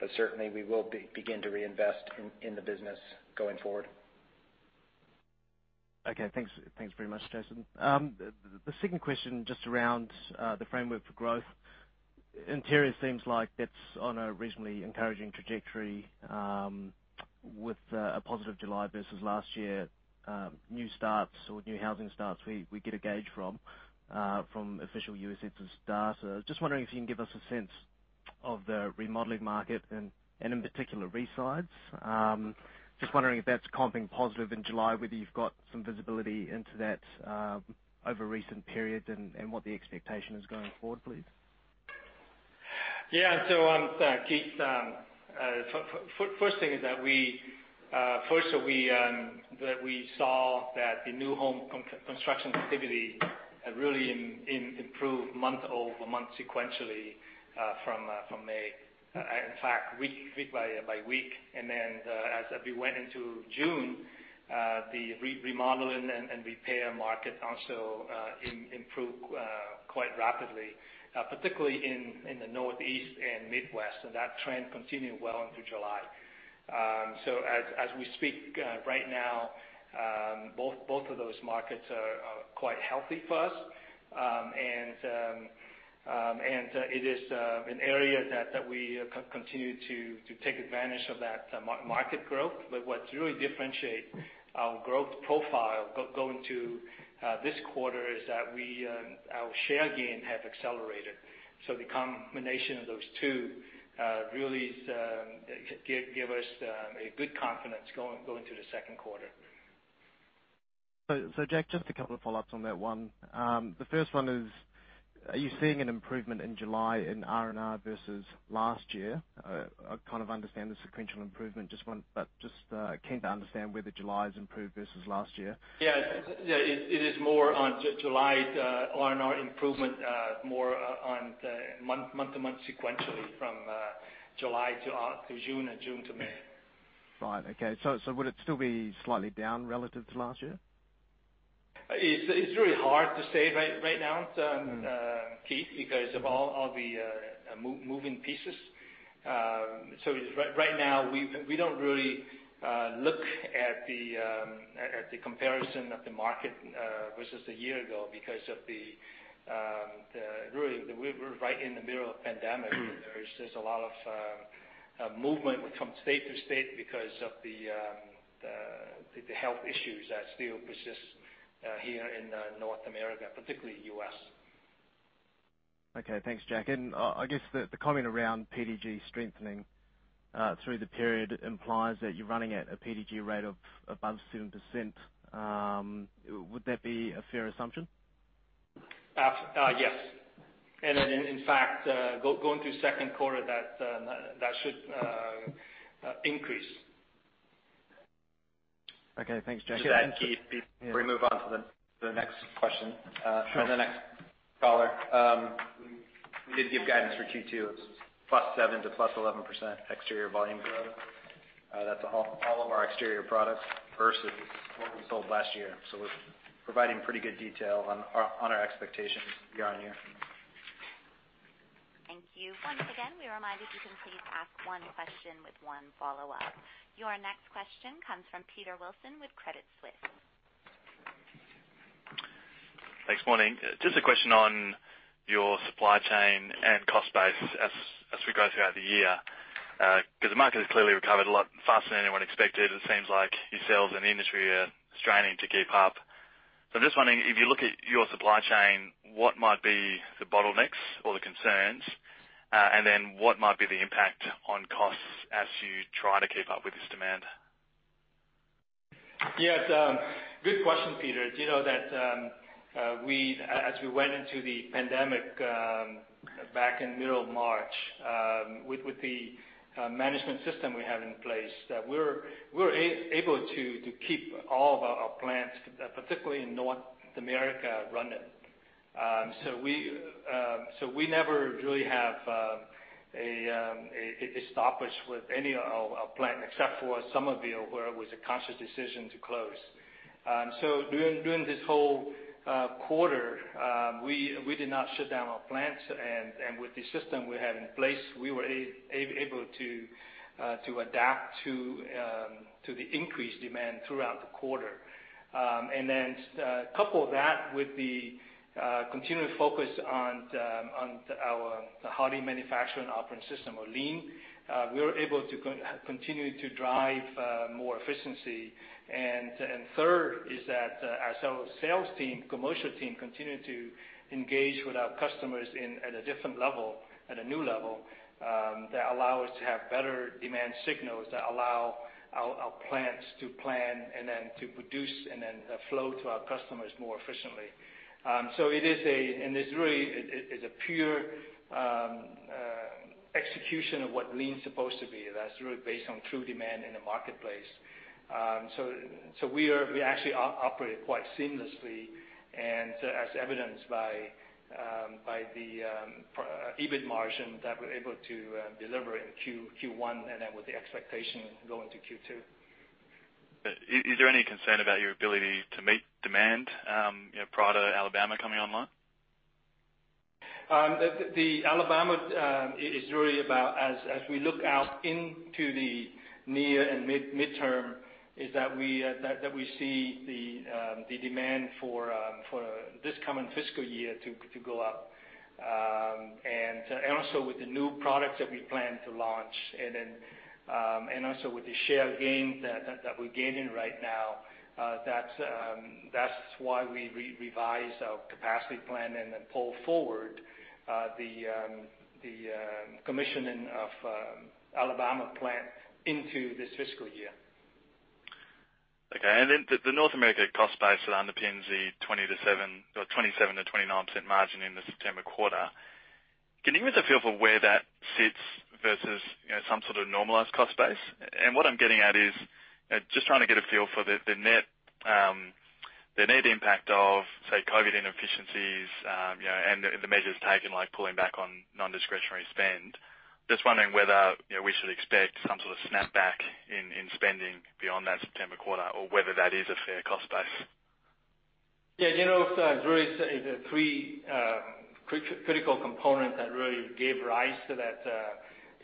But certainly we will begin to reinvest in the business going forward. Okay, thanks. Thanks very much, Jason. The second question, just around the framework for growth. Interior seems like that's on a reasonably encouraging trajectory, with a positive July versus last year, new starts or new housing starts, we get a gauge from official U.S. Census data. Just wondering if you can give us a sense of the remodeling market and in particular, re-sides. Just wondering if that's comping positive in July, whether you've got some visibility into that, over recent periods and what the expectation is going forward, please? Yeah. So, Keith, first thing is that we saw that the new home construction activity had really improved month over month sequentially, from May, in fact, week by week. And then, as we went into June, the remodeling and repair market also improved quite rapidly, particularly in the Northeast and Midwest, and that trend continued well into July. So as we speak, right now, both of those markets are quite healthy for us, and it is an area that we continue to take advantage of that market growth. But what's really differentiate our growth profile going to this quarter is that we, our share gain have accelerated. So the combination of those two really give us a good confidence going to the second quarter. So, Jack, just a couple of follow-ups on that one. The first one is, are you seeing an improvement in July in R&R versus last year? I kind of understand the sequential improvement. But just keen to understand whether July is improved versus last year. Yeah. Yeah, it is more on July, the R&R improvement, more on the month-to-month sequentially from July to June and June to May. Right. Okay. So, so would it still be slightly down relative to last year? It's really hard to say right now, Keith, because of all the moving pieces, so right now, we don't really look at the comparison of the market versus a year ago because of the reality we're right in the middle of a pandemic. Mm-hmm. There's just a lot of movement from state to state because of the health issues that still persist here in North America, particularly U.S. Okay, thanks, Jack. And, I guess the comment around PDG strengthening through the period implies that you're running at a PDG rate of above 7%. Would that be a fair assumption? Yes, and in fact, going through second quarter, that should increase. Okay, thanks, Jack. With that, Keith, before we move on to the next question, Sure. And the next caller, we did give guidance for Q2. It's +7% to +11% exterior volume growth. That's all of our exterior products versus what we sold last year. So we're providing pretty good detail on our expectations year on year. Thank you. Once again, we remind that you can please ask one question with one follow-up. Your next question comes from Peter Wilson with Credit Suisse. Thanks, morning. Just a question on your supply chain and cost base as we go throughout the year, 'cause the market has clearly recovered a lot faster than anyone expected. It seems like yourselves and the industry are straining to keep up. So I'm just wondering, if you look at your supply chain, what might be the bottlenecks or the concerns? And then what might be the impact on costs as you try to keep up with this demand? Yeah, it's a good question, Peter. Do you know that, as we went into the pandemic, back in middle of March, with the management system we have in place, that we were able to keep all of our plants, particularly in North America, running, so we never really have a stoppage with any of our plant, except for Summerville, where it was a conscious decision to close, so during this whole quarter, we did not shut down our plants, and with the system we had in place, we were able to adapt to the increased demand throughout the quarter. And then, couple that with the continued focus on our Hardie Manufacturing Operating System or Lean, we were able to continue to drive more efficiency. And third is that, as our sales team, commercial team continued to engage with our customers at a different level, at a new level, that allow us to have better demand signals, that allow our plants to plan and then to produce and then flow to our customers more efficiently. So it is, and it's really a pure execution of what Lean is supposed to be. That's really based on true demand in the marketplace. So, we actually operate quite seamlessly, and so as evidenced by the EBIT margin that we're able to deliver in Q1 and then with the expectation going to Q2. But is there any concern about your ability to meet demand, you know, Prattville, Alabama coming online? The Alabama is really about as we look out into the near and midterm, is that we see the demand for this coming fiscal year to go up. And also with the new products that we plan to launch, and then and also with the share gains that we're gaining right now, that's why we revise our capacity plan and then pull forward the commissioning of Alabama plant into this fiscal year. Okay. And then the North America cost base that underpins the 27%-29% margin in the September quarter, can you give us a feel for where that sits versus, you know, some sort of normalized cost base? And what I'm getting at is, just trying to get a feel for the net impact of, say, COVID inefficiencies, you know, and the measures taken, like pulling back on non-discretionary spend. Just wondering whether, you know, we should expect some sort of snap back in spending beyond that September quarter, or whether that is a fair cost base? Yeah, you know, so it's really the three critical components that really gave rise to that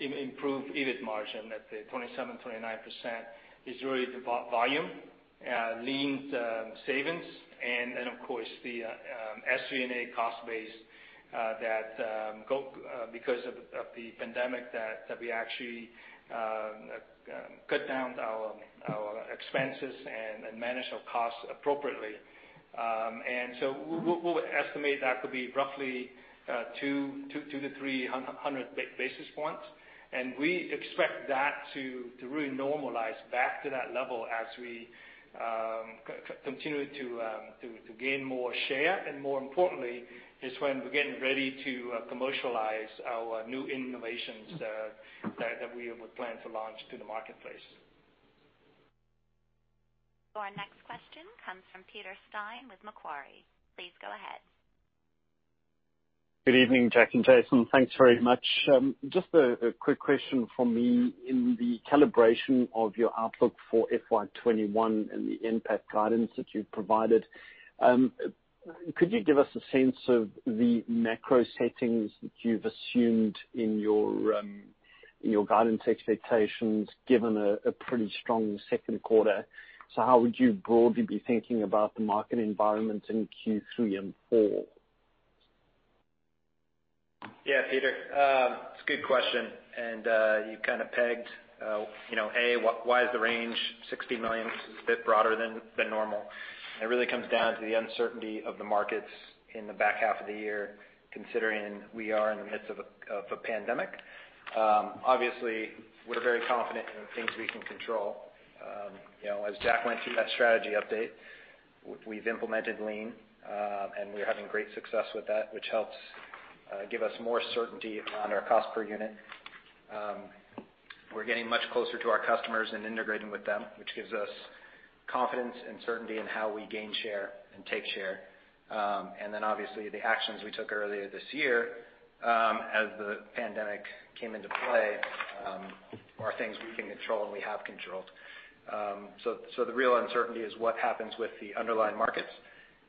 improved EBIT margin, that the 27%-29%, is really the volume, Lean savings, and then, of course, the SG&A cost base that because of the pandemic that we actually cut down our expenses and managed our costs appropriately. And so we would estimate that could be roughly 200-300 basis points. And we expect that to really normalize back to that level as we continue to gain more share. And more importantly, is when we're getting ready to commercialize our new innovations that we would plan to launch to the marketplace. Our next question comes from Peter Steyn with Macquarie. Please go ahead. Good evening, Jack and Jason. Thanks very much. Just a quick question from me. In the calibration of your outlook for FY 2021 and the NPAT guidance that you've provided, could you give us a sense of the macro settings that you've assumed in your guidance expectations, given a pretty strong second quarter? So how would you broadly be thinking about the market environment in Q3 and four? Yeah, Peter, it's a good question, and you kind of pegged, you know, why is the range $60 million, which is a bit broader than normal? It really comes down to the uncertainty of the markets in the back half of the year, considering we are in the midst of a pandemic. Obviously, we're very confident in the things we can control. You know, as Jack went through that strategy update, we've implemented Lean, and we're having great success with that, which helps give us more certainty on our cost per unit. We're getting much closer to our customers and integrating with them, which gives us confidence and certainty in how we gain share and take share. And then obviously, the actions we took earlier this year, as the pandemic came into play, are things we can control and we have controlled. So, the real uncertainty is what happens with the underlying markets,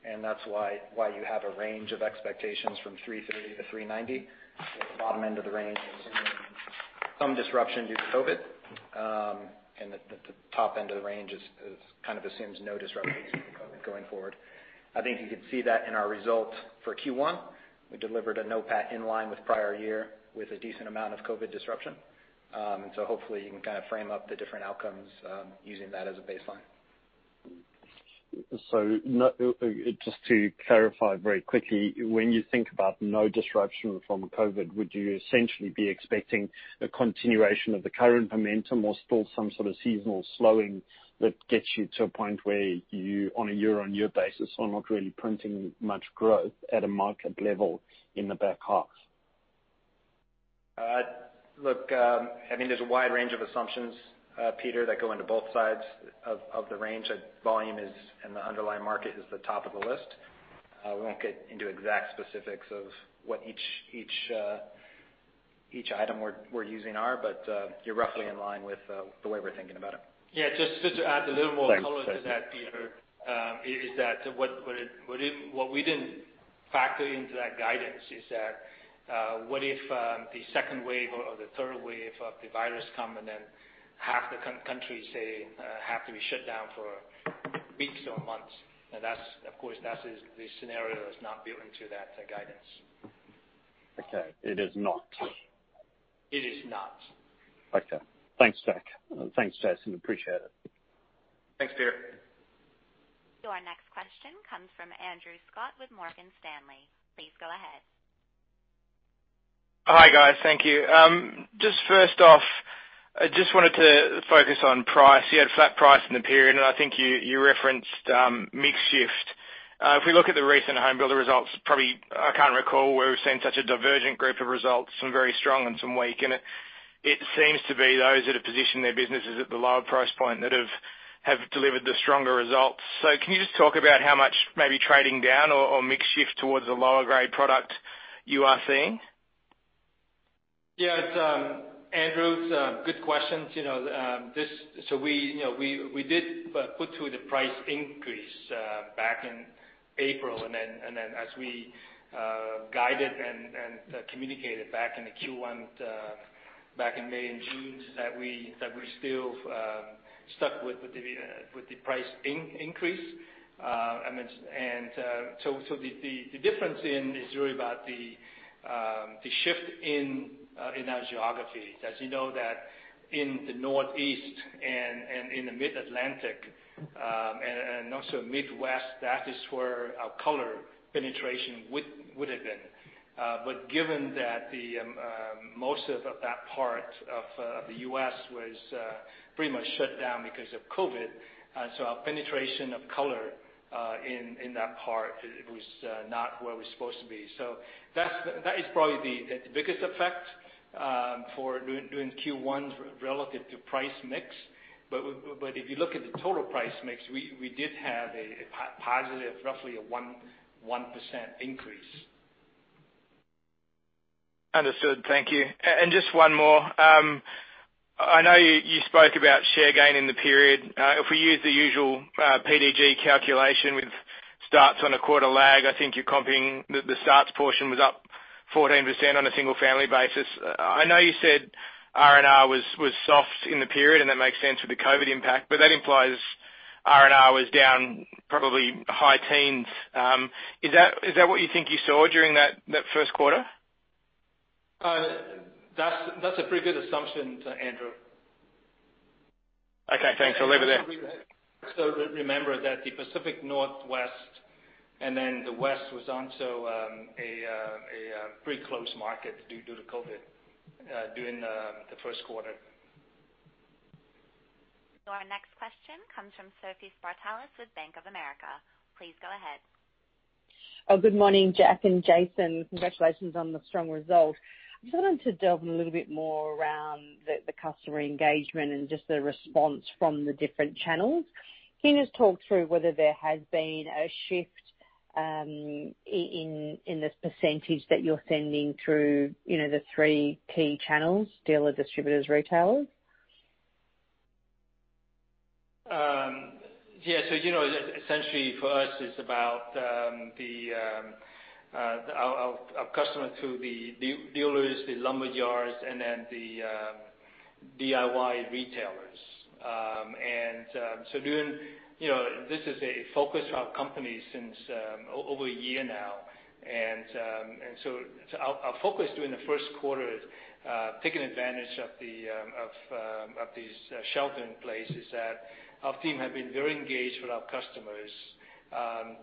and that's why you have a range of expectations from 330-390. At the bottom end of the range, assuming some disruption due to COVID, and the top end of the range is kind of assumes no disruption going forward. I think you can see that in our results for Q1. We delivered a NOPAT in line with prior year, with a decent amount of COVID disruption. So hopefully you can kind of frame up the different outcomes, using that as a baseline. So, just to clarify very quickly, when you think about no disruption from COVID, would you essentially be expecting a continuation of the current momentum or still some sort of seasonal slowing that gets you to a point where you, on a year-on-year basis, are not really printing much growth at a market level in the back half? Look, I think there's a wide range of assumptions, Peter, that go into both sides of the range. Volume is, and the underlying market is the top of the list. We won't get into exact specifics of what each item we're using are, but you're roughly in line with the way we're thinking about it. Yeah, just to add a little more color to that, Peter, is that what we didn't factor into that guidance is that, what if the second wave or the third wave of the virus come and then half the countries, say, have to be shut down for weeks or months? And that's, of course, the scenario is not built into that guidance. Okay. It is not? It is not. Okay. Thanks, Jack. Thanks, Jason. Appreciate it. Thanks, Peter. So our next question comes from Andrew Scott with Morgan Stanley. Please go ahead. Hi, guys. Thank you. Just first off, I just wanted to focus on price. You had flat price in the period, and I think you referenced mix shift. If we look at the recent home builder results, probably I can't recall where we've seen such a divergent group of results, some very strong and some weak. It seems to be those that have positioned their businesses at the lower price point that have delivered the stronger results. So can you just talk about how much maybe trading down or mix shift towards the lower grade product you are seeing? Yeah, it's Andrew, good questions. You know, so we, you know, we did put through the price increase back in April, and then as we guided and communicated back in the Q1, back in May and June, that we still stuck with the price increase. I mean, and so the difference is really about the shift in our geographies. As you know, in the Northeast and in the Mid-Atlantic, and also Midwest, that is where our color penetration would have been. But given that the most of that part of the U.S. was pretty much shut down because of COVID, so our penetration of color in that part, it was not where it was supposed to be. So that is probably the biggest effect during Q1 relative to price mix. But if you look at the total price mix, we did have a positive, roughly a 1% increase. Understood. Thank you. And just one more. I know you spoke about share gain in the period. If we use the usual PDG calculation with starts on a quarter lag, I think you're comping the starts portion was up 14% on a single-family basis. I know you said R&R was soft in the period, and that makes sense with the COVID impact, but that implies R&R was down probably high teens. Is that what you think you saw during that first quarter? That's a pretty good assumption, Andrew. Okay, thanks. I'll leave it there. Remember that the Pacific Northwest and then the West was also a pretty close market due to COVID during the first quarter. Our next question comes from Sophie Spartalis with Bank of America. Please go ahead. Oh, good morning, Jack and Jason. Congratulations on the strong result. I just wanted to delve in a little bit more around the customer engagement and just the response from the different channels. Can you just talk through whether there has been a shift in the percentage that you're sending through, you know, the three key channels: dealer distributors, retailers? Yeah, so, you know, essentially for us, it's about our customer through the dealers, the lumber yards, and then the DIY retailers. You know, this is a focus of our company since over a year now, and so our focus during the first quarter is taking advantage of these shelter-in-places that our team have been very engaged with our customers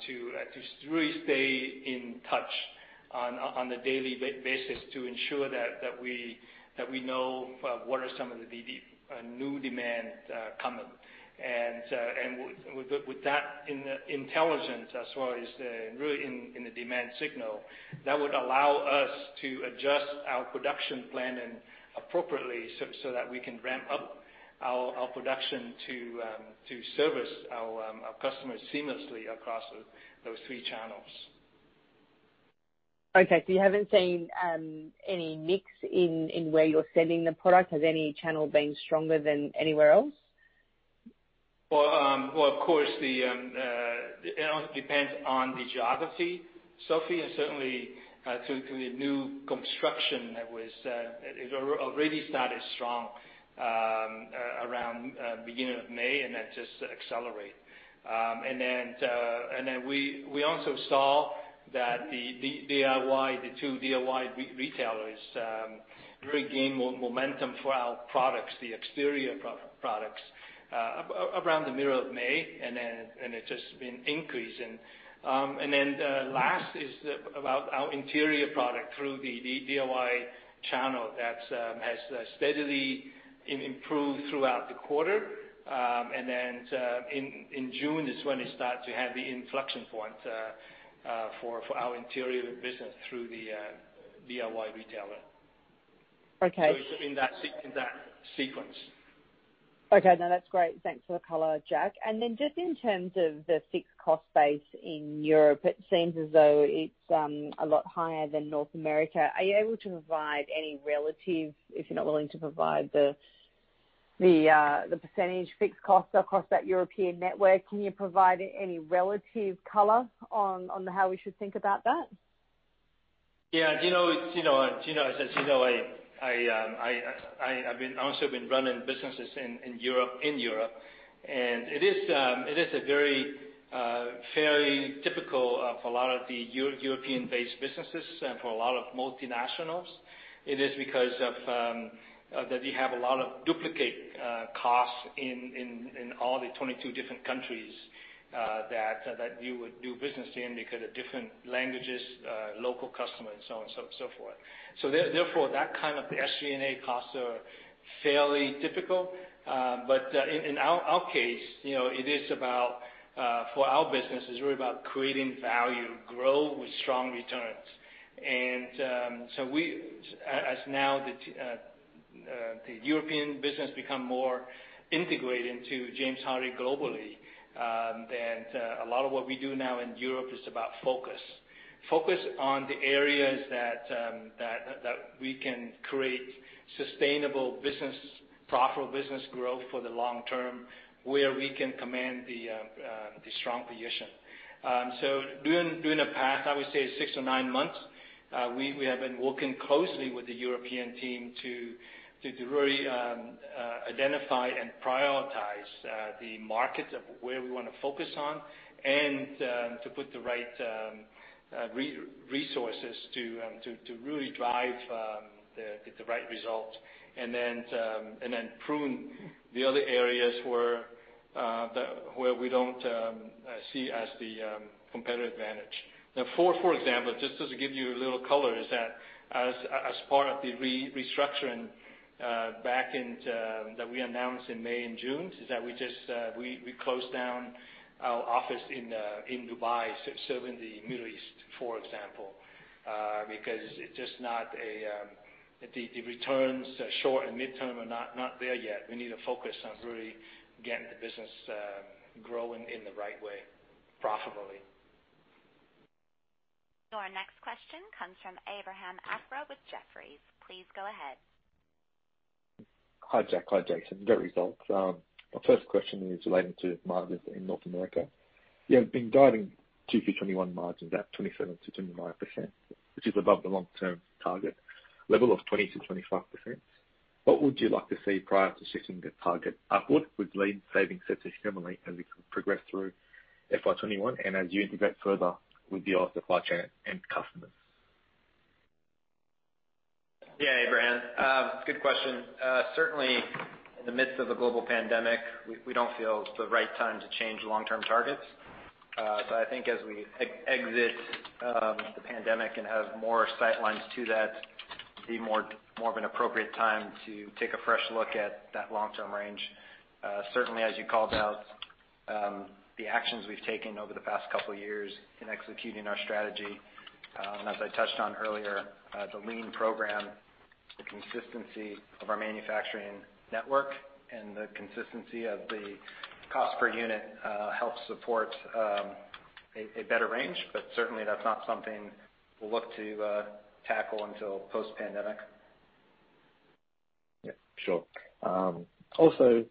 to really stay in touch on a daily basis to ensure that we know what are some of the new demand coming. With that intelligence, as well as really in the demand signal, that would allow us to adjust our production plan appropriately so that we can ramp up our production to service our customers seamlessly across those three channels. Okay, so you haven't seen any mix in where you're selling the product? Has any channel been stronger than anywhere else? Well, of course, it all depends on the geography. So it is certainly through the new construction that it already started strong around the beginning of May, and that just accelerate. And then we also saw that the DIY, the two DIY retailers really gain momentum for our products, the exterior products around the middle of May, and then it's just been increasing. And then the last is about our interior product through the DIY channel that has steadily improved throughout the quarter. And then in June is when it start to have the inflection point for our interior business through the DIY retailer. Okay. It's in that sequence. Okay. No, that's great. Thanks for the color, Jack. And then just in terms of the fixed cost base in Europe, it seems as though it's a lot higher than North America. Are you able to provide any relative, if you're not willing to provide the the percentage fixed costs across that European network, can you provide any relative color on how we should think about that? Yeah, you know, it's, you know, as you know, I've also been running businesses in Europe. And it is a very fairly typical for a lot of the European-based businesses and for a lot of multinationals. It is because of that we have a lot of duplicate costs in all the 22 different countries that we would do business in because of different languages, local customers, so on, so forth. So therefore, that kind of SG&A costs are fairly difficult. But in our case, you know, it is about for our business, it's really about creating value, grow with strong returns. So we, as now the European business become more integrated into James Hardie globally, and a lot of what we do now in Europe is about focus. Focus on the areas that we can create sustainable business, profitable business growth for the long term, where we can command the strong position. So during the past, I would say six to nine months, we have been working closely with the European team to really identify and prioritize the markets of where we want to focus on, and to put the right resources to really drive the right results, and then prune the other areas where we don't see as the competitive advantage. Now, for example, just to give you a little color, as part of the restructuring back in that we announced in May and June, we just closed down our office in Dubai serving the Middle East, for example, because it's just not a, the returns short and midterm are not there yet. We need to focus on really getting the business growing in the right way, profitably. Your next question comes from Abraham Akra with Jefferies. Please go ahead. Hi, Jack. Hi, Jason. Great results. My first question is relating to margins in North America. You have been guiding Q4 2021 margins at 27%-29%, which is above the long-term target level of 20%-25%. What would you like to see prior to shifting the target upward with lean savings system similarly as we progress through FY 2021 and as you integrate further with your supply chain and customers? Yeah, Abraham, good question. Certainly in the midst of a global pandemic, we don't feel it's the right time to change long-term targets. So I think as we exit the pandemic and have more sight lines to that, it'll be more of an appropriate time to take a fresh look at that long-term range. Certainly, as you called out, the actions we've taken over the past couple of years in executing our strategy, and as I touched on earlier, the Lean program, the consistency of our manufacturing network, and the consistency of the cost per unit helps support a better range, but certainly that's not something we'll look to tackle until post-pandemic. Yeah, sure. Also,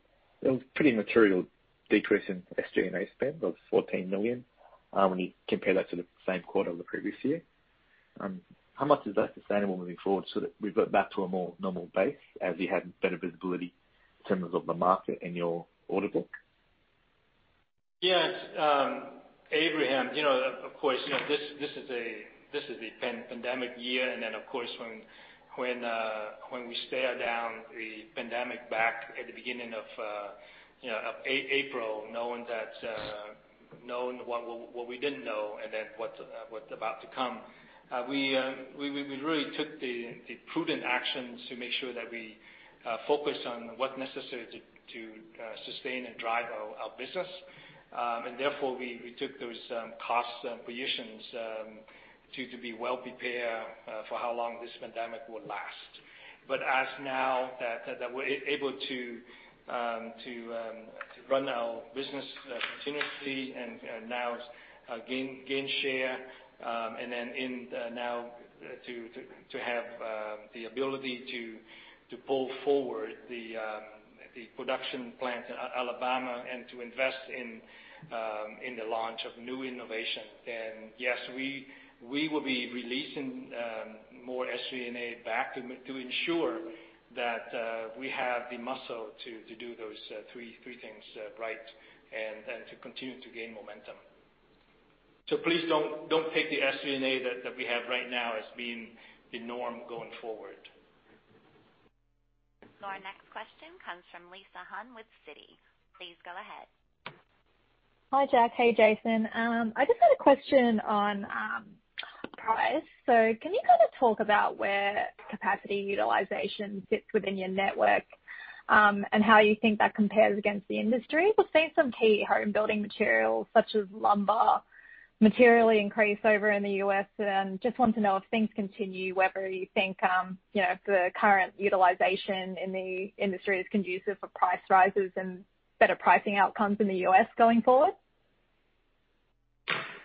a pretty material decrease in SG&A spend of $14 million, when you compare that to the same quarter of the previous year. How much is that sustainable moving forward, so that we've got back to a more normal base as we have better visibility in terms of the market and your order book? Yes, Abraham, you know, of course, you know, this is a pandemic year. And then, of course, when we stare down the pandemic back at the beginning of, you know, April, knowing that, knowing what we didn't know and then what's about to come, we really took the prudent actions to make sure that we focus on what's necessary to sustain and drive our business. And therefore, we took those cost positions to be well prepared for how long this pandemic would last. But now that we're able to run our business continuously and now gain share and then in the now to have the ability to pull forward the production plant in Alabama and to invest in the launch of new innovation. And yes, we will be releasing more SG&A back to ensure that we have the muscle to do those three things right, and to continue to gain momentum. So please don't take the SG&A that we have right now as being the norm going forward. Our next question comes from Lisa Huynh with Citi. Please go ahead. Hi, Jack. Hey, Jason. I just had a question on price. So can you kind of talk about where capacity utilization fits within your network, and how you think that compares against the industry? We're seeing some key home building materials, such as lumber, materially increase over in the U.S., and just want to know if things continue, whether you think, you know, the current utilization in the industry is conducive for price rises and better pricing outcomes in the U.S. going forward?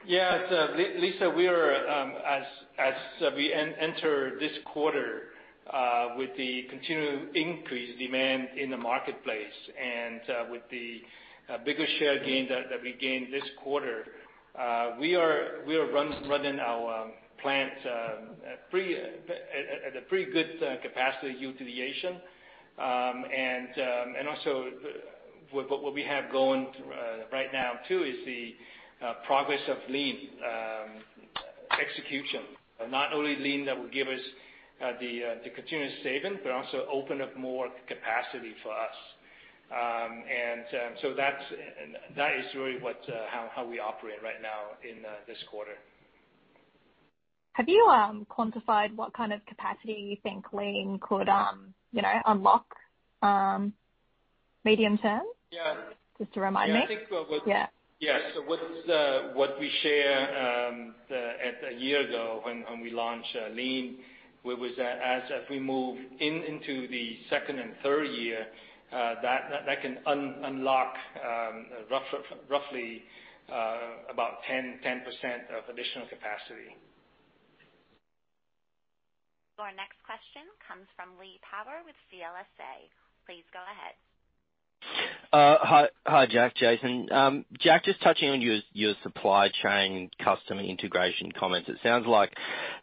Yeah, so Lisa, we are, as we enter this quarter, with the continued increased demand in the marketplace and, with the bigger share gain that we gained this quarter, we are running our plants at a pretty good capacity utilization. And also, what we have going right now, too, is the progress of lean execution. Not only lean that will give us the continuous saving, but also open up more capacity for us. And so that's that is really what how we operate right now in this quarter. Have you quantified what kind of capacity you think lean could, you know, unlock, medium term? Yeah. Just to remind me? I think, what- Yeah. Yes. So what we shared a year ago when we launched lean was that as we move into the second and third year, that can unlock roughly about 10% of additional capacity. Our next question comes from Lee Power with CLSA. Please go ahead. Hi, Jack, Jason. Jack, just touching on your supply chain customer integration comments, it sounds like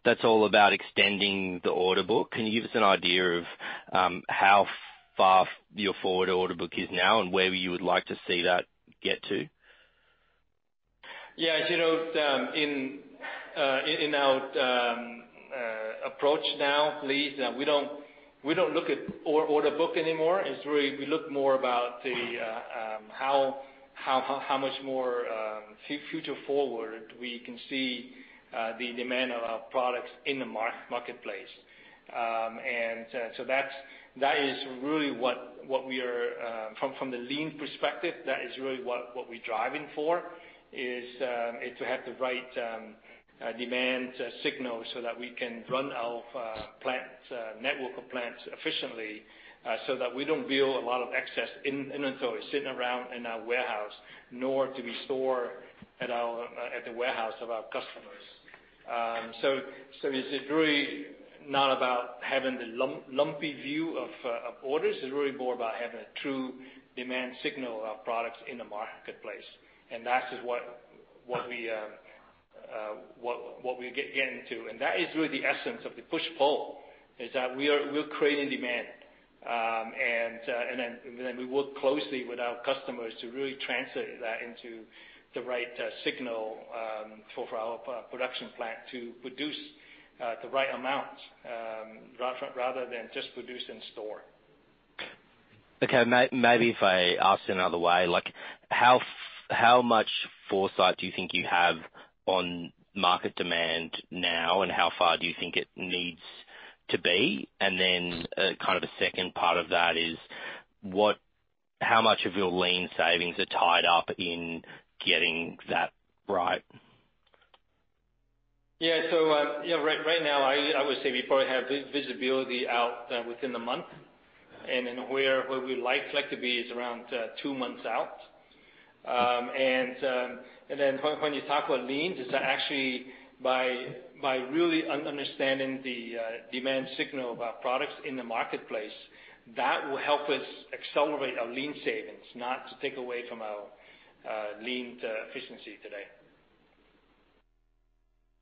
that's all about extending the order book. Can you give us an idea of how far your forward order book is now and where you would like to see that get to? Yeah, as you know, in our approach now, Lee, we don't look at order book anymore. It's really we look more about the how much more future forward we can see the demand of our products in the marketplace. And so that's that is really what we are from the lean perspective, that is really what we're driving for, is to have the right demand signal so that we can run our plant network of plants efficiently, so that we don't build a lot of excess inventory sitting around in our warehouse, nor to be stored at the warehouse of our customers. It's really not about having the lumpy view of orders. It's really more about having a true demand signal of products in the marketplace, and that is what we get into. That is really the essence of the push-pull: we're creating demand. We work closely with our customers to really translate that into the right signal for our production plant to produce the right amount, rather than just produce and store. Okay, maybe if I ask it another way, like, how much foresight do you think you have on market demand now, and how far do you think it needs to be? Then, kind of a second part of that is what... How much of your lean savings are tied up in getting that right? Yeah. So you know, right now, I would say we probably have visibility out within the month, and then where we like to be is around two months out. And then when you talk about lean, it's actually by really understanding the demand signal of our products in the marketplace, that will help us accelerate our lean savings, not to take away from our lean efficiency today.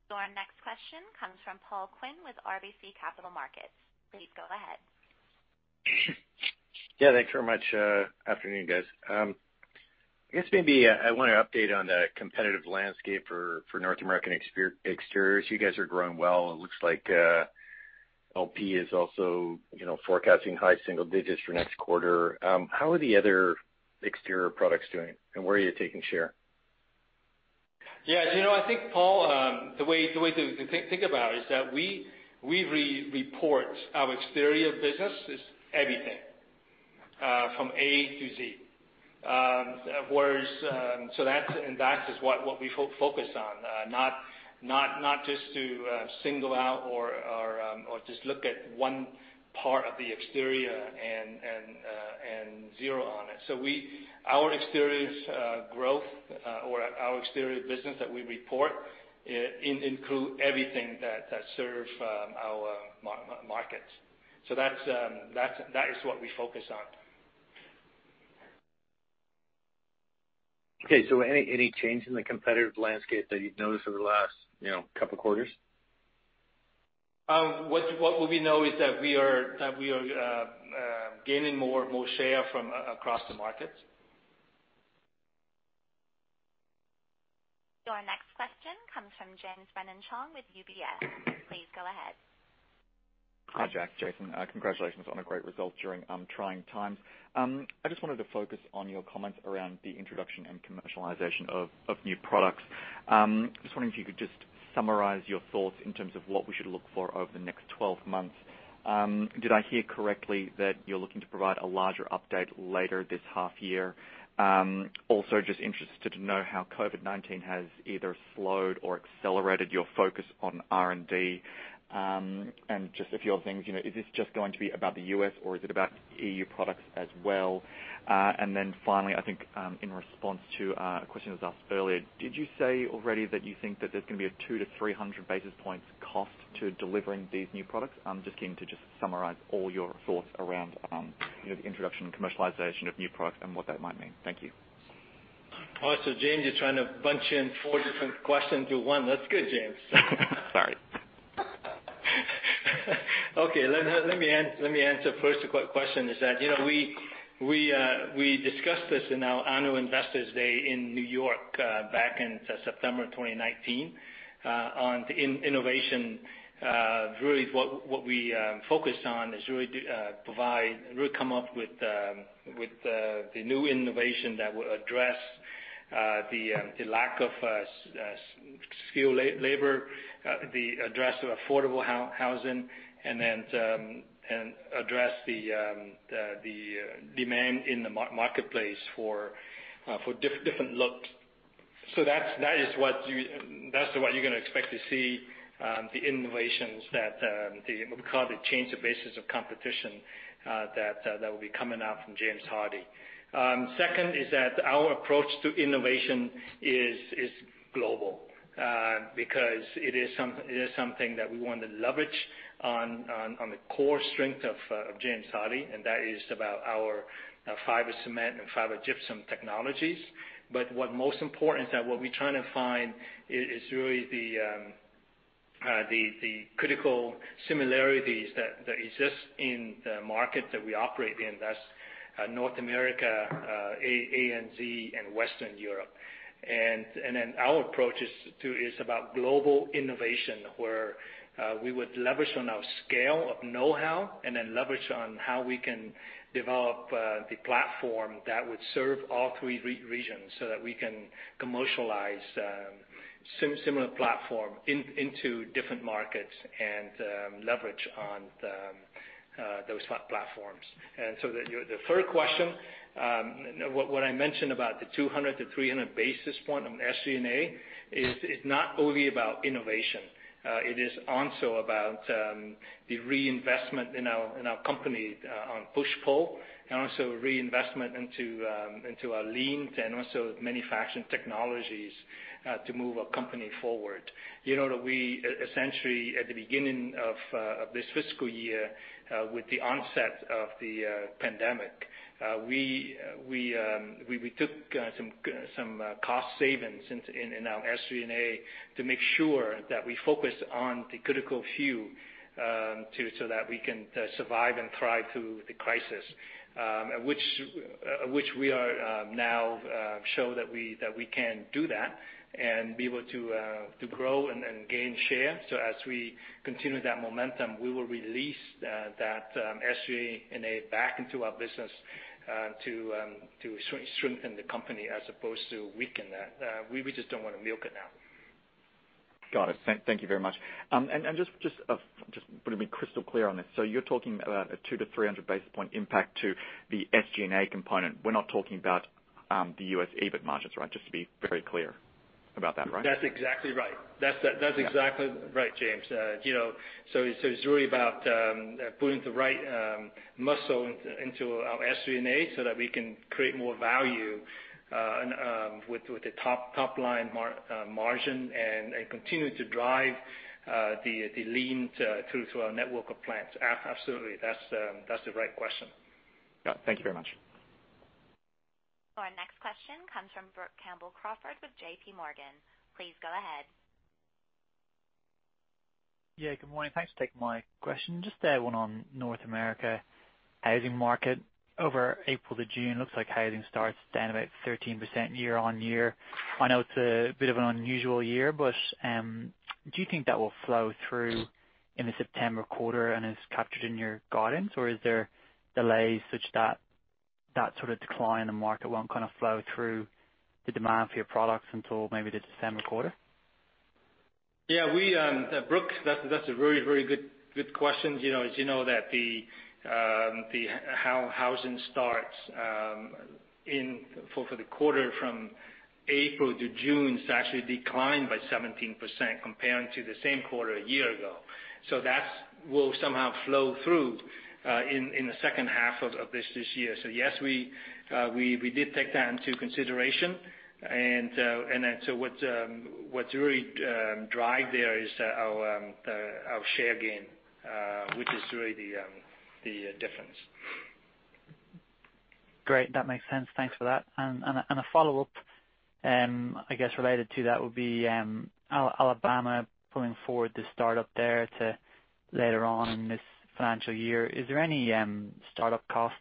So our next question comes from Paul Quinn with RBC Capital Markets. Please go ahead. Yeah, thanks very much. Afternoon, guys. I guess maybe I want an update on the competitive landscape for North American exteriors. You guys are growing well. It looks like LP is also, you know, forecasting high single digits for next quarter. How are the other exterior products doing, and where are you taking share? Yeah, you know, I think, Paul, the way to think about it is that we report our exterior business is everything from A to Z. Whereas, so that's, and that is what we focus on, not just to single out or just look at one part of the exterior. So our exterior growth or our exterior business that we report include everything that serve our markets. So that's, that is what we focus on. Okay. So any change in the competitive landscape that you've noticed over the last, you know, couple quarters? What we know is that we are gaining more share across the market. Your next question comes from James Brennan-Chong with UBS. Please go ahead. Hi, Jack, Jason. Congratulations on a great result during trying times. I just wanted to focus on your comments around the introduction and commercialization of new products. Just wondering if you could just summarize your thoughts in terms of what we should look for over the next 12 months. Did I hear correctly that you're looking to provide a larger update later this half year? Also just interested to know how COVID-19 has either slowed or accelerated your focus on R&D. And just a few other things, you know, is this just going to be about the US or is it about EU products as well? And then finally, I think, in response to a question that was asked earlier, did you say already that you think that there's gonna be a 200-300 basis points cost to delivering these new products? I'm just keen to just summarize all your thoughts around, you know, the introduction and commercialization of new products and what that might mean. Thank you. Oh, so James, you're trying to bunch in four different questions into one. That's good, James. Sorry. Okay, let me answer first quick question is that, you know, we discussed this in our annual Investors Day in New York back in September 2019 on the innovation. Really what we focused on is really to provide, really come up with the new innovation that will address the lack of skilled labor, the address of affordable housing, and then, and address the demand in the marketplace for different looks. So that's, that is what you, that's what you're gonna expect to see, the innovations that, the, we call it, change the basis of competition, that will be coming out from James Hardie. Second is that our approach to innovation is global, because it is something that we want to leverage on the core strength of James Hardie, and that is about our fiber cement and fiber gypsum technologies. But what most important is that what we're trying to find is really the critical similarities that exist in the market that we operate in. That's North America, ANZ and Western Europe. Then our approach is about global innovation, where we would leverage on our scale of know-how, and then leverage on how we can develop the platform that would serve all three regions, so that we can commercialize similar platform into different markets and leverage on those platforms. And so the third question, what I mentioned about the 200-300 basis points on SG&A is not only about innovation. It is also about the reinvestment in our company on push/pull, and also reinvestment into our lean and also manufacturing technologies to move our company forward. You know, that we essentially, at the beginning of this fiscal year, with the onset of the pandemic, we took some cost savings in our SG&A to make sure that we focus on the critical few, so that we can survive and thrive through the crisis. Which we are now show that we can do that and be able to grow and gain share. So as we continue that momentum, we will release that SG&A back into our business to strengthen the company as opposed to weaken that. We just don't want to milk it now. Got it. Thank you very much. And just want to be crystal clear on this. So you're talking about a 200-300 basis point impact to the SG&A component. We're not talking about the U.S. EBIT margins, right? Just to be very clear about that, right? That's exactly right. Yeah. That's exactly right, James. You know, so it's really about putting the right muscle into our SG&A so that we can create more value with the top line margin and continue to drive the lean through our network of plants. Absolutely. That's the right question. Yeah. Thank you very much. Our next question comes from Brook Campbell-Crawford with JPMorgan. Please go ahead. Yeah, good morning. Thanks for taking my question. Just one on North America housing market. Over April to June, looks like housing starts down about 13% year on year. I know it's a bit of an unusual year, but do you think that will flow through in the September quarter and is captured in your guidance, or is there delays such that that sort of decline in the market won't kind of flow through the demand for your products until maybe the December quarter? Yeah, we, Brooke, that's a very good question. You know, as you know, that the housing starts in for the quarter from April to June, it's actually declined by 17% compared to the same quarter a year ago. So that's will somehow flow through in the second half of this year. So yes, we did take that into consideration. And then so what's really drive there is our share gain, which is really the difference. Great, that makes sense. Thanks for that. And a follow-up, I guess, related to that would be, Alabama pulling forward the startup there to later on in this financial year. Is there any startup costs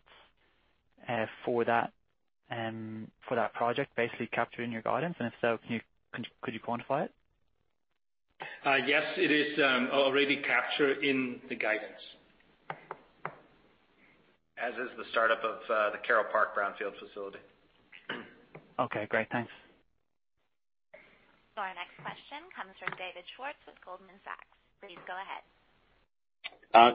for that project, basically captured in your guidance? And if so, could you quantify it? Yes, it is already captured in the guidance. As is the startup of the Carroll Park Brownfield facility. Okay, great. Thanks. Our next question comes from David Schwartz with Goldman Sachs. Please go ahead.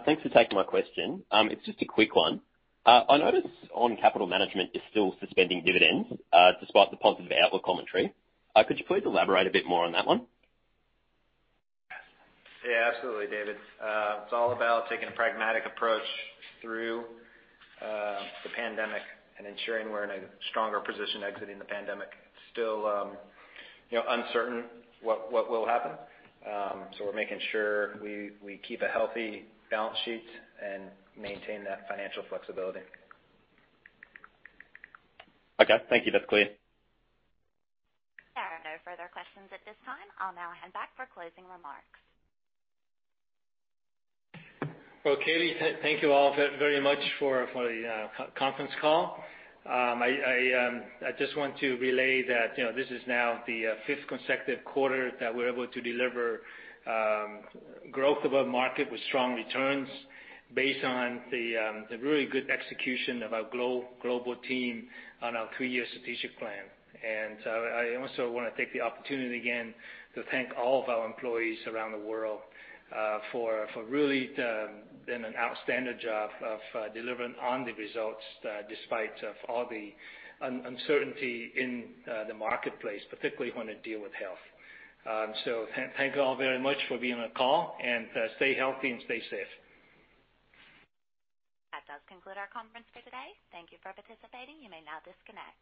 Thanks for taking my question. It's just a quick one. I noticed on capital management, you're still suspending dividends, despite the positive outlook commentary. Could you please elaborate a bit more on that one? Yeah, absolutely, David. It's all about taking a pragmatic approach through the pandemic and ensuring we're in a stronger position exiting the pandemic. Still, you know, uncertain what will happen. So we're making sure we keep a healthy balance sheet and maintain that financial flexibility. Okay, thank you. That's clear. There are no further questions at this time. I'll now hand back for closing remarks. Katie, thank you all very much for the conference call. I just want to relay that, you know, this is now the 5th consecutive quarter that we're able to deliver growth above market with strong returns based on the really good execution of our global team on our three-year strategic plan. I also want to take the opportunity again to thank all of our employees around the world for really doing an outstanding job of delivering on the results despite of all the uncertainty in the marketplace, particularly when it deal with health. Thank you all very much for being on the call, and stay healthy and stay safe. That does conclude our conference for today. Thank you for participating. You may now disconnect.